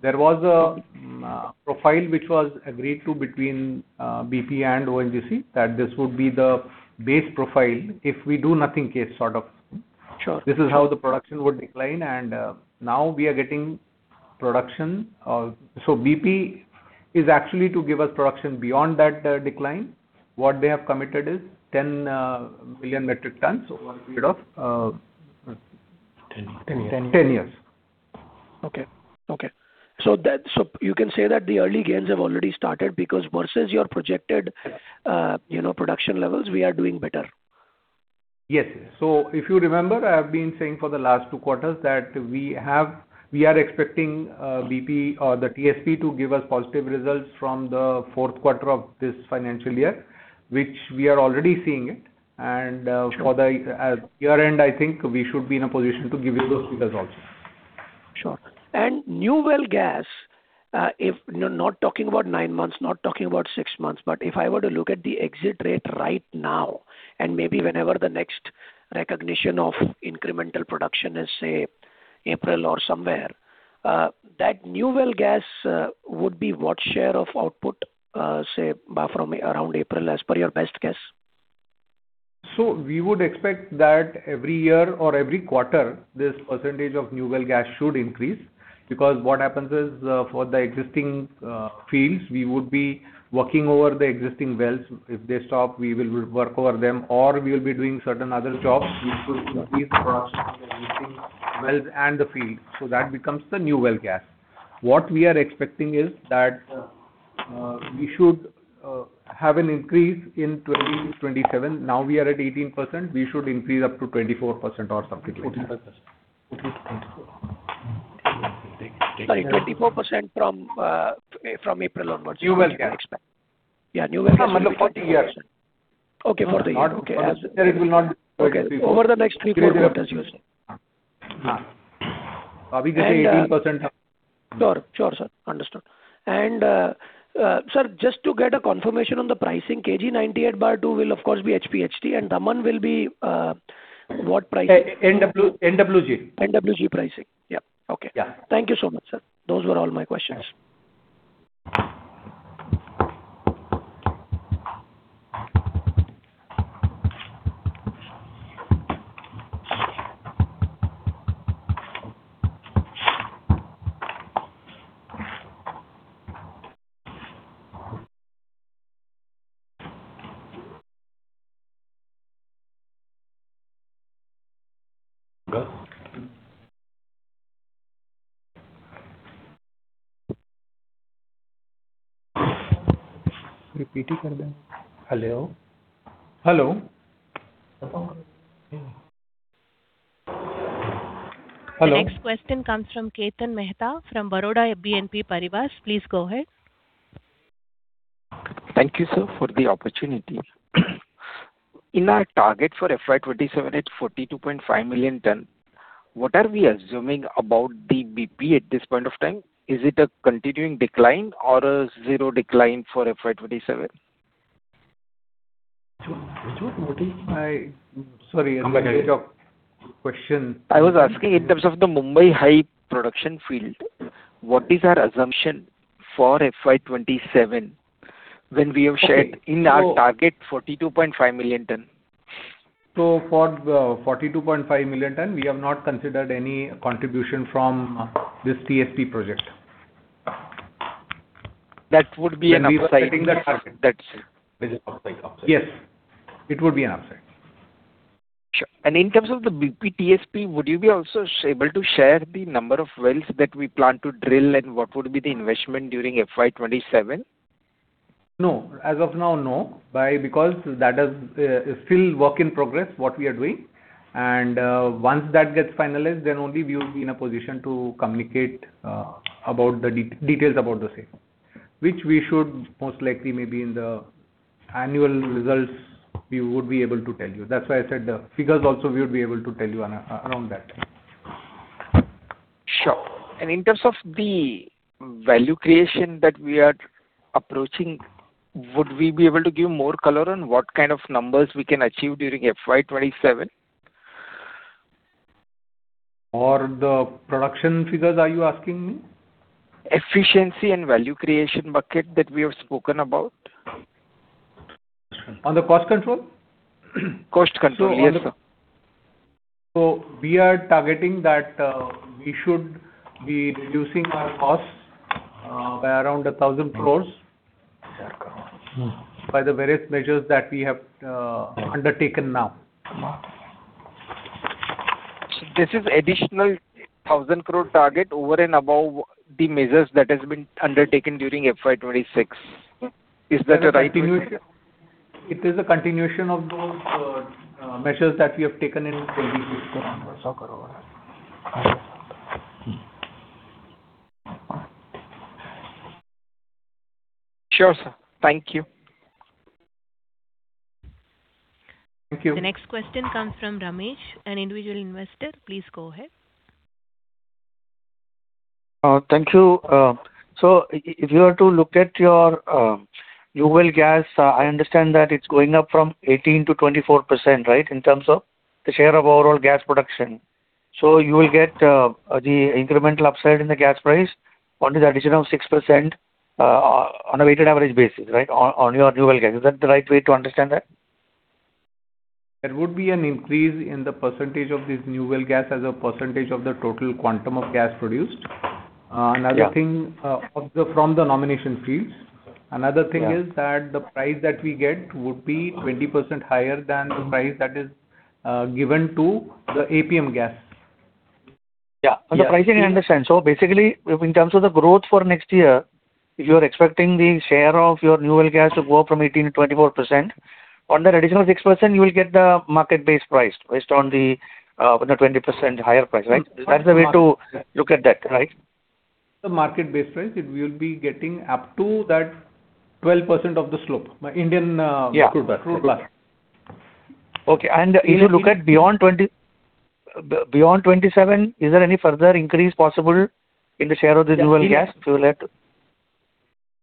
B: There was a, a profile which was agreed to between, BP and ONGC, that this would be the base profile if we do nothing case, sort of.
M: Sure.
B: This is how the production would decline, and now we are getting production. So BP is actually to give us production beyond that decline. What they have committed is 10 million metric tons over a period of-
D: Ten years.
B: Ten years.
M: Okay, okay. So that, so you can say that the early gains have already started because versus your projected, you know, production levels, we are doing better.
B: Yes. So if you remember, I have been saying for the last two quarters that we are expecting BP or the TSP to give us positive results from the fourth quarter of this financial year, which we are already seeing it.
M: Sure.
B: For the year-end, I think we should be in a position to give you those figures also.
M: Sure. And New Well Gas, if not talking about nine months, not talking about six months, but if I were to look at the exit rate right now, and maybe whenever the next recognition of incremental production is, say, April or somewhere, that New Well Gas, would be what share of output, say, by from around April, as per your best guess?
B: So we would expect that every year or every quarter, this percentage of New Well Gas should increase, because what happens is, for the existing fields, we would be working over the existing wells. If they stop, we will work over them, or we will be doing certain other jobs, which would increase the production of the existing wells and the fields. So that becomes the New Well Gas. What we are expecting is that, we should have an increase in 2027. Now, we are at 18%, we should increase up to 24% or something like that.
D: 24% percent.
M: Sorry, 24% from April onwards?
B: New Well Gas.
M: Yeah, New Well Gas.
B: No, for the year.
M: Okay, for the year. Okay.
B: It will not.
M: Over the next 3, 4 quarters, you said.
B: Yeah.
M: And, uh.
B: Obviously, at 18%.
M: Sure. Sure, sir. Understood. And, sir, just to get a confirmation on the pricing, KG 98/2 will, of course, be HPHT, and Daman will be, what price?
B: NWG.
M: NWG pricing. Yeah. Okay.
B: Yeah.
M: Thank you so much, sir. Those were all my questions.
D: Hello? Hello. Hello.
A: The next question comes from Kirtan Mehta, from Baroda BNP Paribas. Please go ahead.
N: Thank you, sir, for the opportunity. In our target for FY 2027 at 42.5 million ton, what are we assuming about the BP at this point of time? Is it a continuing decline or a zero decline for FY 2027?
D: What is my. Sorry, I might have question.
N: I was asking in terms of the Mumbai High production field, what is our assumption for FY 2027, when we have shared in our target 42.5 million tonnes?
B: So for the 42.5 million ton, we have not considered any contribution from this TSP project.
N: That would be an upside.
B: When we were setting that target.
D: That is upside, upside.
B: Yes, it would be an upside.
N: Sure. In terms of the BP TSP, would you be also able to share the number of wells that we plan to drill, and what would be the investment during FY 2027?
B: No, as of now, no. But, because that is still work in progress, what we are doing. Once that gets finalized, then only we will be in a position to communicate about the details about the same, which we should most likely, maybe in the annual results, we would be able to tell you. That's why I said the figures also, we would be able to tell you around that time.
N: Sure. In terms of the value creation that we are approaching, would we be able to give more color on what kind of numbers we can achieve during FY 2027?
B: For the production figures, are you asking me?
N: Efficiency and value creation bucket that we have spoken about.
B: On the cost control?
N: Cost control, yes, sir.
B: We are targeting that we should be reducing our costs by around 1,000 crore by the various measures that we have undertaken now.
N: This is additional 1,000 crore target over and above the measures that has been undertaken during FY 2026. Is that the right image?
B: It is a continuation of those measures that we have taken in.
N: Sure, sir. Thank you.
B: Thank you.
A: The next question comes from Ramesh, an individual investor. Please go ahead.
O: Thank you. So if you were to look at your New Well Gas, I understand that it's going up from 18%-24%, right? In terms of the share of overall gas production. So you will get the incremental upside in the gas price on to the additional 6% on a weighted average basis, right, on your New Well Gas. Is that the right way to understand that?
B: There would be an increase in the percentage of this New Well Gas as a percentage of the total quantum of gas produced.
O: Yeah.
B: Another thing from the nomination fields. Another thing.
O: Yeah.
B: Is that the price that we get would be 20% higher than the price that is given to the APM gas.
O: Yeah.
B: Yeah.
O: The pricing I understand. So basically, in terms of the growth for next year, you're expecting the share of your New Well Gas to go from 18%-24%. On that additional 6%, you will get the market-based price, based on the, on the 20% higher price, right? That's the way to look at that, right?
B: The market-based price, it will be getting up to that 12% of the slope, by Indian,
O: Yeah.
B: True, plus.
O: Okay. And if you look at beyond 2027, is there any further increase possible in the share of the New Well Gas total?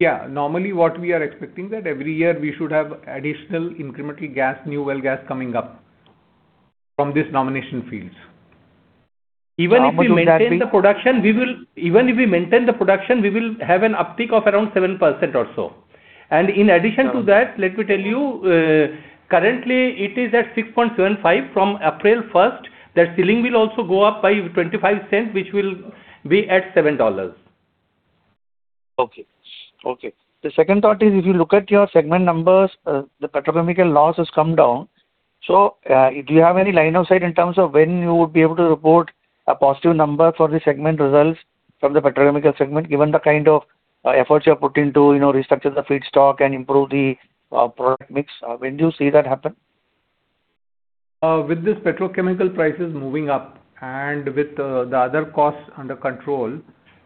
B: Yeah. Normally, what we are expecting that every year we should have additional incremental gas, New Well Gas, coming up from this nomination fields. Even if we maintain the production, we will. Even if we maintain the production, we will have an uptick of around 7% or so. And in addition to that, let me tell you, currently, it is at $6.75. From April first, that ceiling will also go up by $0.25, which will be at $7.
O: Okay. Okay. The second thought is, if you look at your segment numbers, the petrochemical loss has come down. So, if you have any line of sight in terms of when you would be able to report a positive number for the segment results from the petrochemical segment, given the kind of efforts you have put into, you know, restructure the feedstock and improve the product mix, when do you see that happen?
B: With this petrochemical prices moving up and with the other costs under control,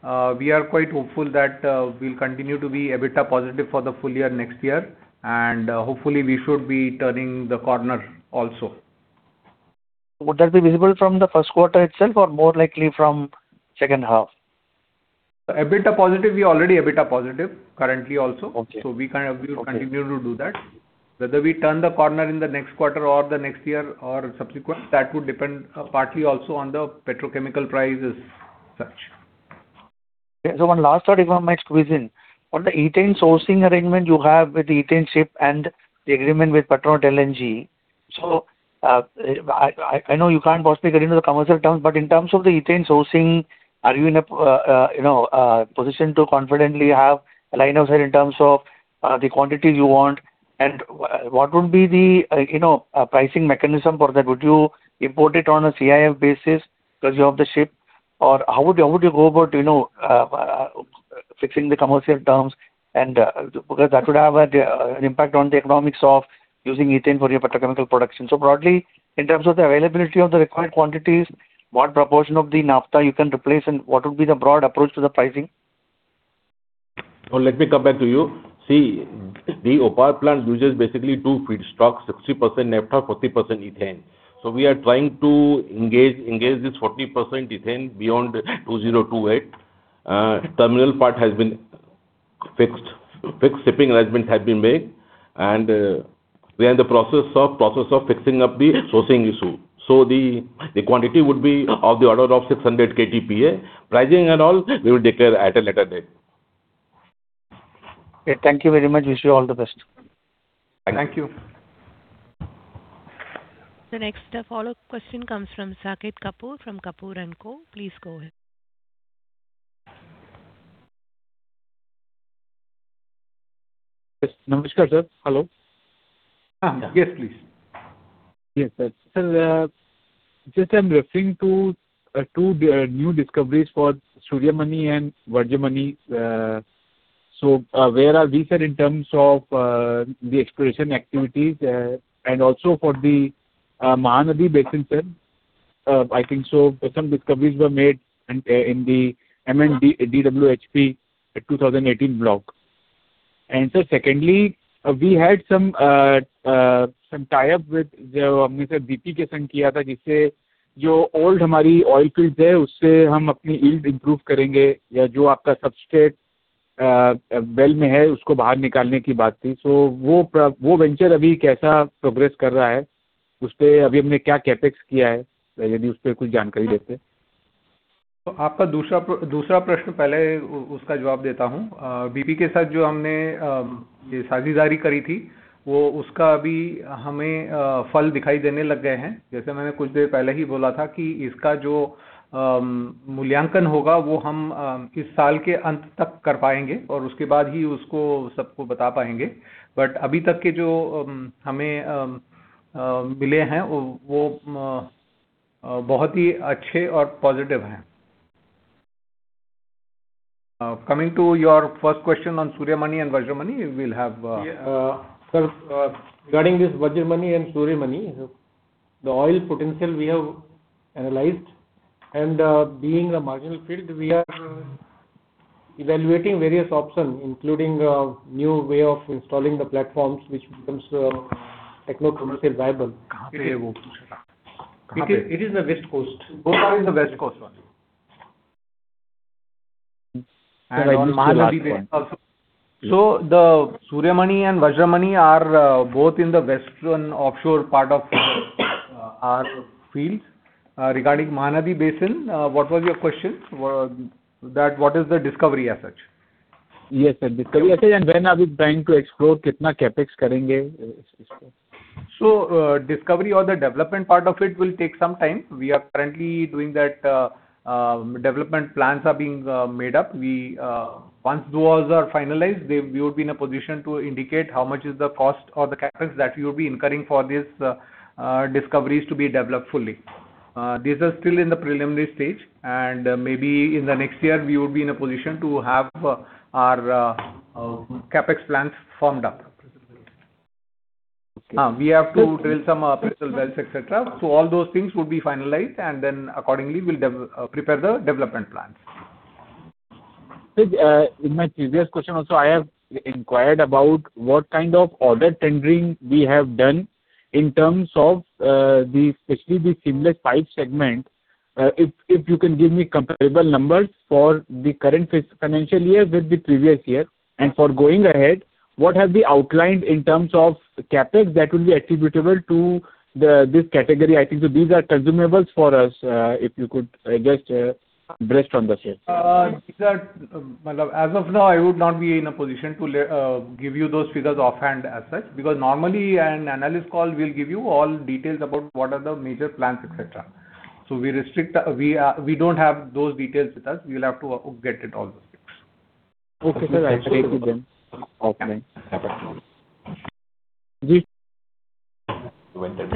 B: we are quite hopeful that we'll continue to be EBITDA positive for the full year next year, and hopefully, we should be turning the corner also.
O: Would that be visible from the first quarter itself, or more likely from second half?
B: EBITDA positive, we are already EBITDA positive currently also.
O: Okay.
B: So we can, we will continue to do that. Whether we turn the corner in the next quarter or the next year or subsequent, that would depend, partly also on the petrochemical prices as such.
O: Okay. So one last thought, if I might squeeze in. On the ethane sourcing arrangement you have with the ethane ship and the agreement with Petronet LNG. So, I know you can't possibly get into the commercial terms, but in terms of the ethane sourcing, are you in a position to confidently have a line of sight in terms of the quantities you want? And what would be the, you know, pricing mechanism for that? Would you import it on a CIF basis because you have the ship, or how would you go about, you know, fixing the commercial terms and, because that would have a, an impact on the economics of using ethane for your petrochemical production. Broadly, in terms of the availability of the required quantities, what proportion of the naphtha you can replace, and what would be the broad approach to the pricing?
G: Well, let me come back to you. See, the OPaL plant uses basically two feedstock, 60% naphtha, 40% ethane. So we are trying to engage this 40% ethane beyond 2028. Terminal part has been fixed. Fixed shipping arrangements have been made, and we are in the process of fixing up the sourcing issue. So the quantity would be of the order of 600 KTPA. Pricing and all, we will declare at a later date.
O: Okay, thank you very much. Wish you all the best.
G: Thank you.
A: The next, follow-up question comes from Saket Kapoor, from Kapoor & Co. Please go ahead.
L: Yes. Namaskar, sir. Hello?
B: Yes, please.
L: Yes, sir. Sir, just I'm referring to two new discoveries for Suryamani and Vajramani. So where are we said in terms of the exploration activities and also for the Mahanadi basin, sir? I think so some discoveries were made in the MN-DWHP-2018 block. And so secondly, we had some tie-up with the BP ke saath kiya tha, jisse jo old hamari oil fields hai, usse hum apni yield improve karenge ya jo aapka substrate well mein hai, usko bahar nikalne ki baat thi. So wo venture abhi kaisa progress kar raha hai? Uspe abhi humne kya CapEx kiya hai, yadi uspe kuch jankari dete.
B: So aapka doosra prashna pehle uska jawab deta hoon. BP ke saath jo humne ye sahyog kiya tha, uska abhi humein fal dikhane lage hain. Jaise maine kuch der pehle hi bola tha ki iska jo mulyankan hoga, wo hum iss saal ke ant tak kar payenge, aur uske baad hi usko sabko bata payenge. But abhi tak ke jo humein mile hain, wo bahut hi achhe aur positive hain. Coming to your first question on Suryamani and Vajramani, we will have. Yeah, sir, regarding this Vajramani and Suryamani, the oil potential we have analyzed, and, being a marginal field, we are evaluating various options, including new way of installing the platforms, which becomes techno-commercially viable.
L: Kahan pe hai wo? Kahan pe?
B: It is, it is in the West Coast. Both are in the West Coast one. So the Suryamani and Vajramani are both in the western offshore part of our field. Regarding Mahanadi Basin, what was your question? That, what is the discovery as such?
L: Yes, sir, discovery as such, and when are we trying to explore kitna CapEx karenge isko?
B: So, discovery or the development part of it will take some time. We are currently doing that, development plans are being made up. We once those are finalized, we will be in a position to indicate how much is the cost or the CapEx that we will be incurring for these discoveries to be developed fully. These are still in the preliminary stage, and maybe in the next year, we will be in a position to have our CapEx plans formed up.
L: Okay.
B: We have to drill some petrol wells, et cetera. So all those things would be finalized, and then accordingly, we'll prepare the development plans.
L: Sir, in my previous question also, I have inquired about what kind of order tendering we have done in terms of, especially the seamless pipe segment. If you can give me comparable numbers for the current financial year with the previous year, and for going ahead, what has been outlined in terms of CapEx that will be attributable to this category? I think these are consumables for us, if you could just brief on the same.
B: Sir, as of now, I would not be in a position to give you those figures offhand as such, because normally an analyst call will give you all details about what are the major plans, et cetera. So we restrict, we don't have those details with us. We will have to get all those things.
L: Okay, sir. I thank you then. Okay.
A: The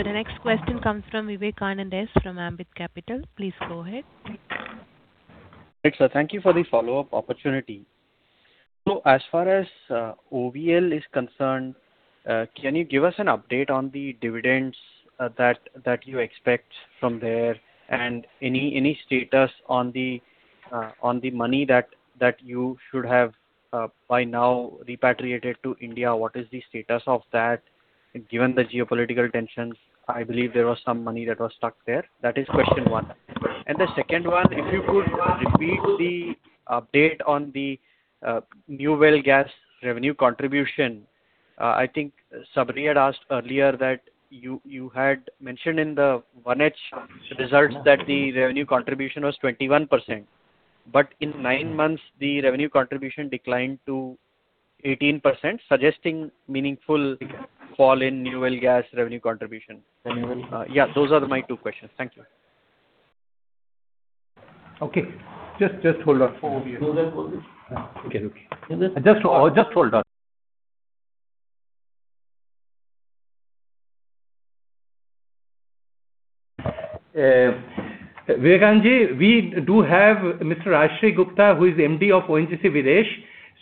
A: next question comes from Vivekanand S. from Ambit Capital. Please go ahead.
K: Sir, thank you for the follow-up opportunity. So as far as OVL is concerned, can you give us an update on the dividends that you expect from there? And any status on the money that you should have by now repatriated to India, what is the status of that, given the geopolitical tensions? I believe there was some money that was stuck there. That is question one. And the second one, if you could repeat the update on the New Well Gas revenue contribution. I think Sabri had asked earlier that you had mentioned in the ONGC results that the revenue contribution was 21%, but in nine months, the revenue contribution declined to 18%, suggesting meaningful fall in New Well Gas revenue contribution. Yeah, those are my two questions. Thank you.
B: Okay. Just, just hold on. Just hold on. Vivekanandaji, we do have Mr. Rajarshi Gupta, who is MD of ONGC Videsh,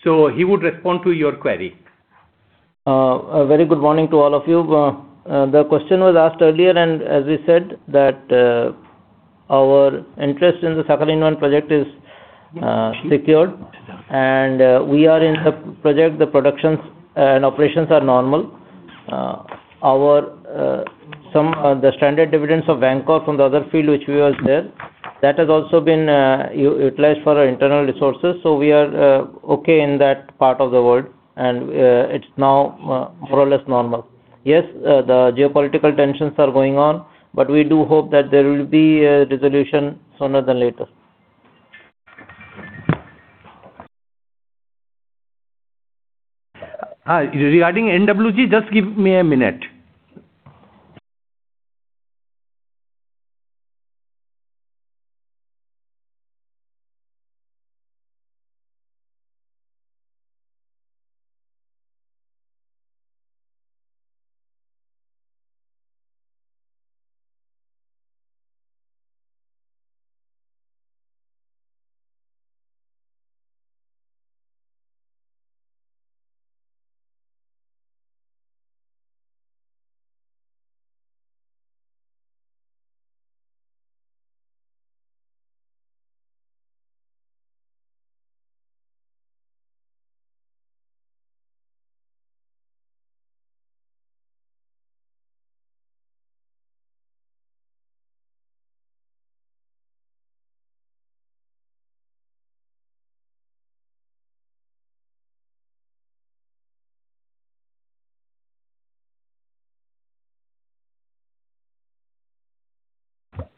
B: so he would respond to your query.
P: A very good morning to all of you. The question was asked earlier, and as we said, that, our interest in the Sakhalin-I project is, secured, and, we are in the project, the productions, and operations are normal. Our, some, the standard dividends of Vankor from the other field, which we were there, that has also been, utilized for our internal resources, so we are, okay in that part of the world, and, it's now, more or less normal. Yes, the geopolitical tensions are going on, but we do hope that there will be a resolution sooner than later.
B: Regarding NWG, just give me a minute.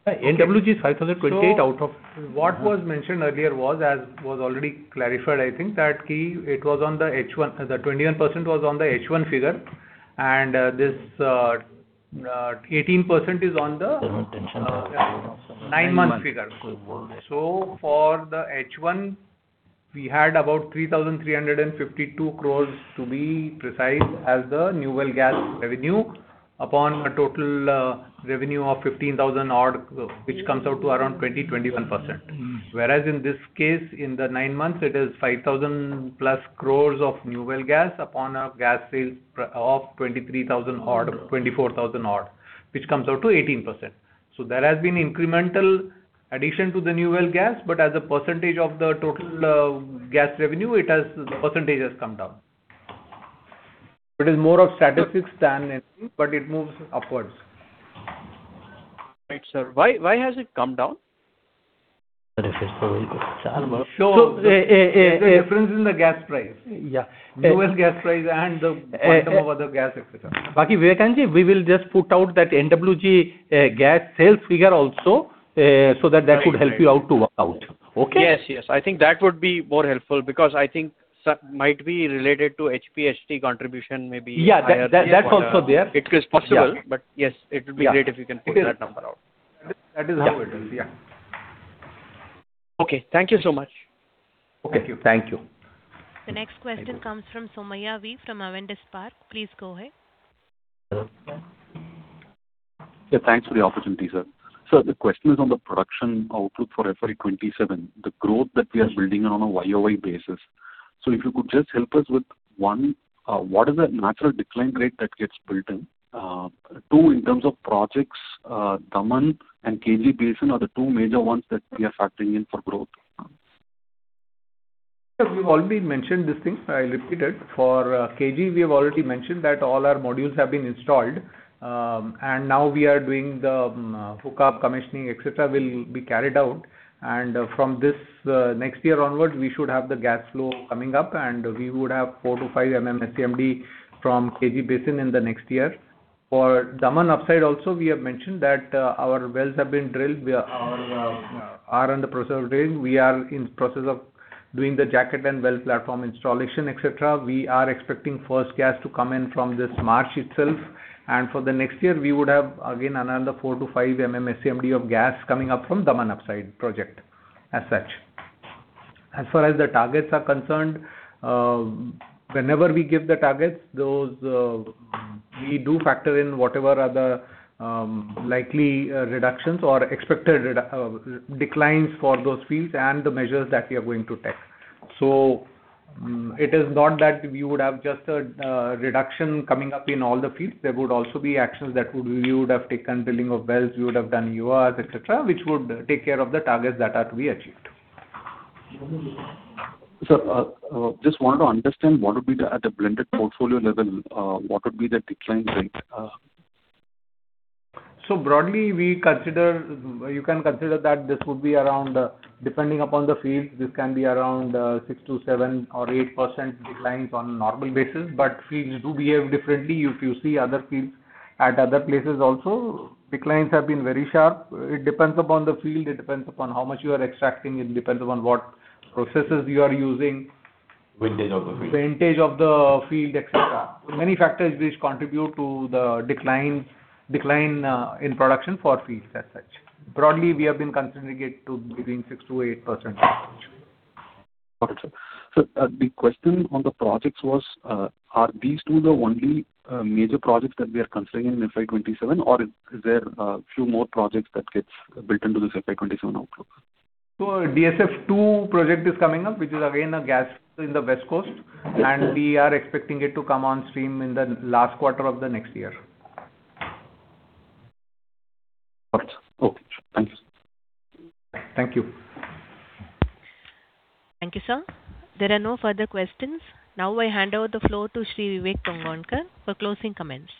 B: NWG is 5,028 out of. So what was mentioned earlier was, as was already clarified, I think, that key, it was on the H1, the 21% was on the H1 figure, and this 18% is on the nine-month figure. So for the H1, we had about 3,352 crore to be precise, as the New Well Gas revenue, upon a total revenue of 15,000-odd, which comes out to around 20%-21%. Whereas in this case, in the ninr months, it is 5,000+ crore of New Well Gas upon a gas sales of 23,000-odd, 24,000-odd, which comes out to 18%. So there has been incremental addition to the New Well Gas, but as a percentage of the total gas revenue, it has, the percentage has come down. It is more of statistics than anything, but it moves upwards.
K: Right, sir. Why has it come down? So
B: There's a difference in the gas price.
D: Yeah.
B: U.S. gas price and the quantum of other gas, et cetera.
D: Baki, Vivekananda, we will just put out that NWG, gas sales figure also, so that that should help you out to work out. Okay?
K: Yes, yes.
B: I think that would be more helpful because I think some might be related to HPHT contribution, maybe higher.
D: Yeah, that, that's also there. It is possible.
B: Yeah. But yes, it would be great if you can put that number out. That is how it is. Yeah.
K: Okay. Thank you so much.
B: Okay. Thank you.
A: The next question comes from Somaiah V. from Avendus Spark. Please go ahead.
Q: Yeah, thanks for the opportunity, sir. Sir, the question is on the production outlook for FY 2027, the growth that we are building on a year-over-year basis. So if you could just help us with, one, what is the natural decline rate that gets built in? Two, in terms of projects, Daman and KG Basin are the two major ones that we are factoring in for growth.
B: Sir, we've already mentioned these things. I repeat it. For KG, we have already mentioned that all our modules have been installed, and now we are doing the hookup, commissioning, et cetera, will be carried out. And from this next year onwards, we should have the gas flow coming up, and we would have 4-5 MMSCMD from KG Basin in the next year. For Daman upside also, we have mentioned that our wells have been drilled. We are in the process of drilling. We are in process of doing the jacket and well platform installation, et cetera. We are expecting first gas to come in from this March itself, and for the next year, we would have, again, another 4-5 MMSCMD of gas coming up from Daman upside project, as such. As far as the targets are concerned, whenever we give the targets, those we do factor in whatever are the likely reductions or expected declines for those fields and the measures that we are going to take. So, it is not that we would have just a reduction coming up in all the fields. There would also be actions that we would have taken: drilling of wells, we would have done IORs, et cetera, which would take care of the targets that are to be achieved.
Q: Sir, just wanted to understand, what would be the, at the blended portfolio level, what would be the decline rate?
B: So broadly, we consider, you can consider that this would be around, depending upon the field, this might be around, 6%-7% or 8% declines on normal basis, but fields do behave differently. If you see other fields at other places also, declines have been very sharp. It depends upon the field, it depends upon how much you are extracting, it depends upon what processes you are using.
Q: Vintage of the field.
B: Vintage of the field, et cetera. Many factors which contribute to the decline in production for fields as such. Broadly, we have been considering it to between 6%-8%.
Q: Got it, sir. So, the question on the projects was, are these two the only major projects that we are considering in FY 2027, or is there a few more projects that gets built into this FY 2027 outlook?
B: DSF-II project is coming up, which is again a gas in the West Coast, and we are expecting it to come on stream in the last quarter of the next year.
Q: Got it. Okay, thank you.
B: Thank you.
A: Thank you, sir. There are no further questions. Now, I hand over the floor to Sri Vivek Tongaonkar for closing comments.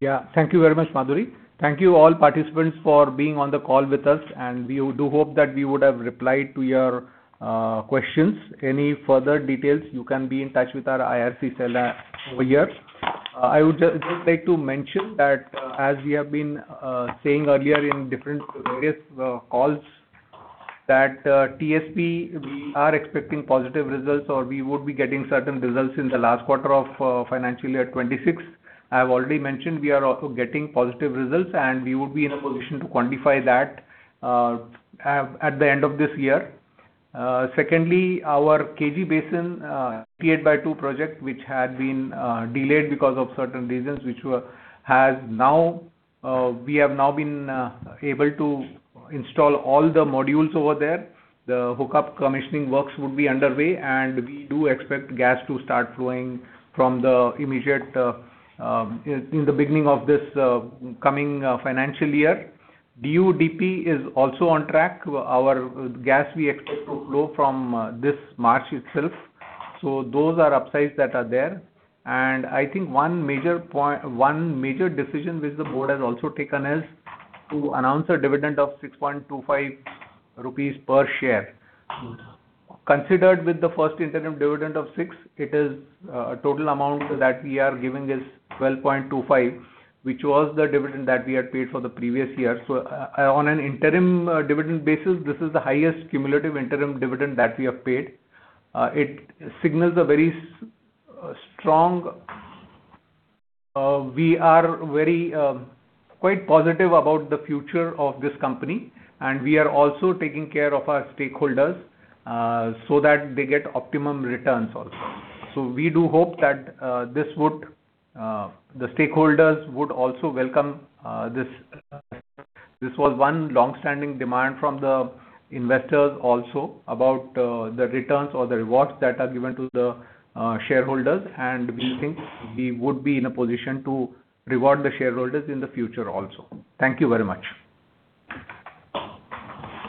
B: Yeah. Thank you very much, Madhuri. Thank you, all participants, for being on the call with us, and we do hope that we would have replied to your questions. Any further details, you can be in touch with our IR cell over here. I would just like to mention that, as we have been saying earlier in different various calls, that TSP, we are expecting positive results or we would be getting certain results in the last quarter of financial year 2026. I have already mentioned, we are also getting positive results, and we would be in a position to quantify that at the end of this year. Secondly, our KG Basin 98/2 project, which had been delayed because of certain reasons, has now we have now been able to install all the modules over there. The hookup commissioning works would be underway, and we do expect gas to start flowing from the immediate in the beginning of this coming financial year. DUDP is also on track. Our gas we expect to flow from this March itself. So those are upsides that are there. And I think one major point one major decision which the board has also taken is to announce a dividend of 6.25 rupees per share. Considered with the first interim dividend of 6, it is total amount that we are giving is 12.25, which was the dividend that we had paid for the previous year. So on an interim dividend basis, this is the highest cumulative interim dividend that we have paid. It signals a very strong we are very quite positive about the future of this company, and we are also taking care of our stakeholders so that they get optimum returns also. So we do hope that this would the stakeholders would also welcome this. This was one long-standing demand from the investors also about the returns or the rewards that are given to the shareholders, and we think we would be in a position to reward the shareholders in the future also. Thank you very much.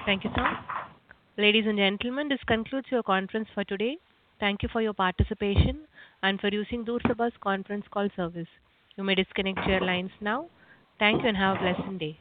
A: Thank you, sir. Ladies and gentlemen, this concludes your conference for today. Thank you for your participation and for using Door Sabha's conference call service. You may disconnect your lines now. Thank you, and have a blessed day.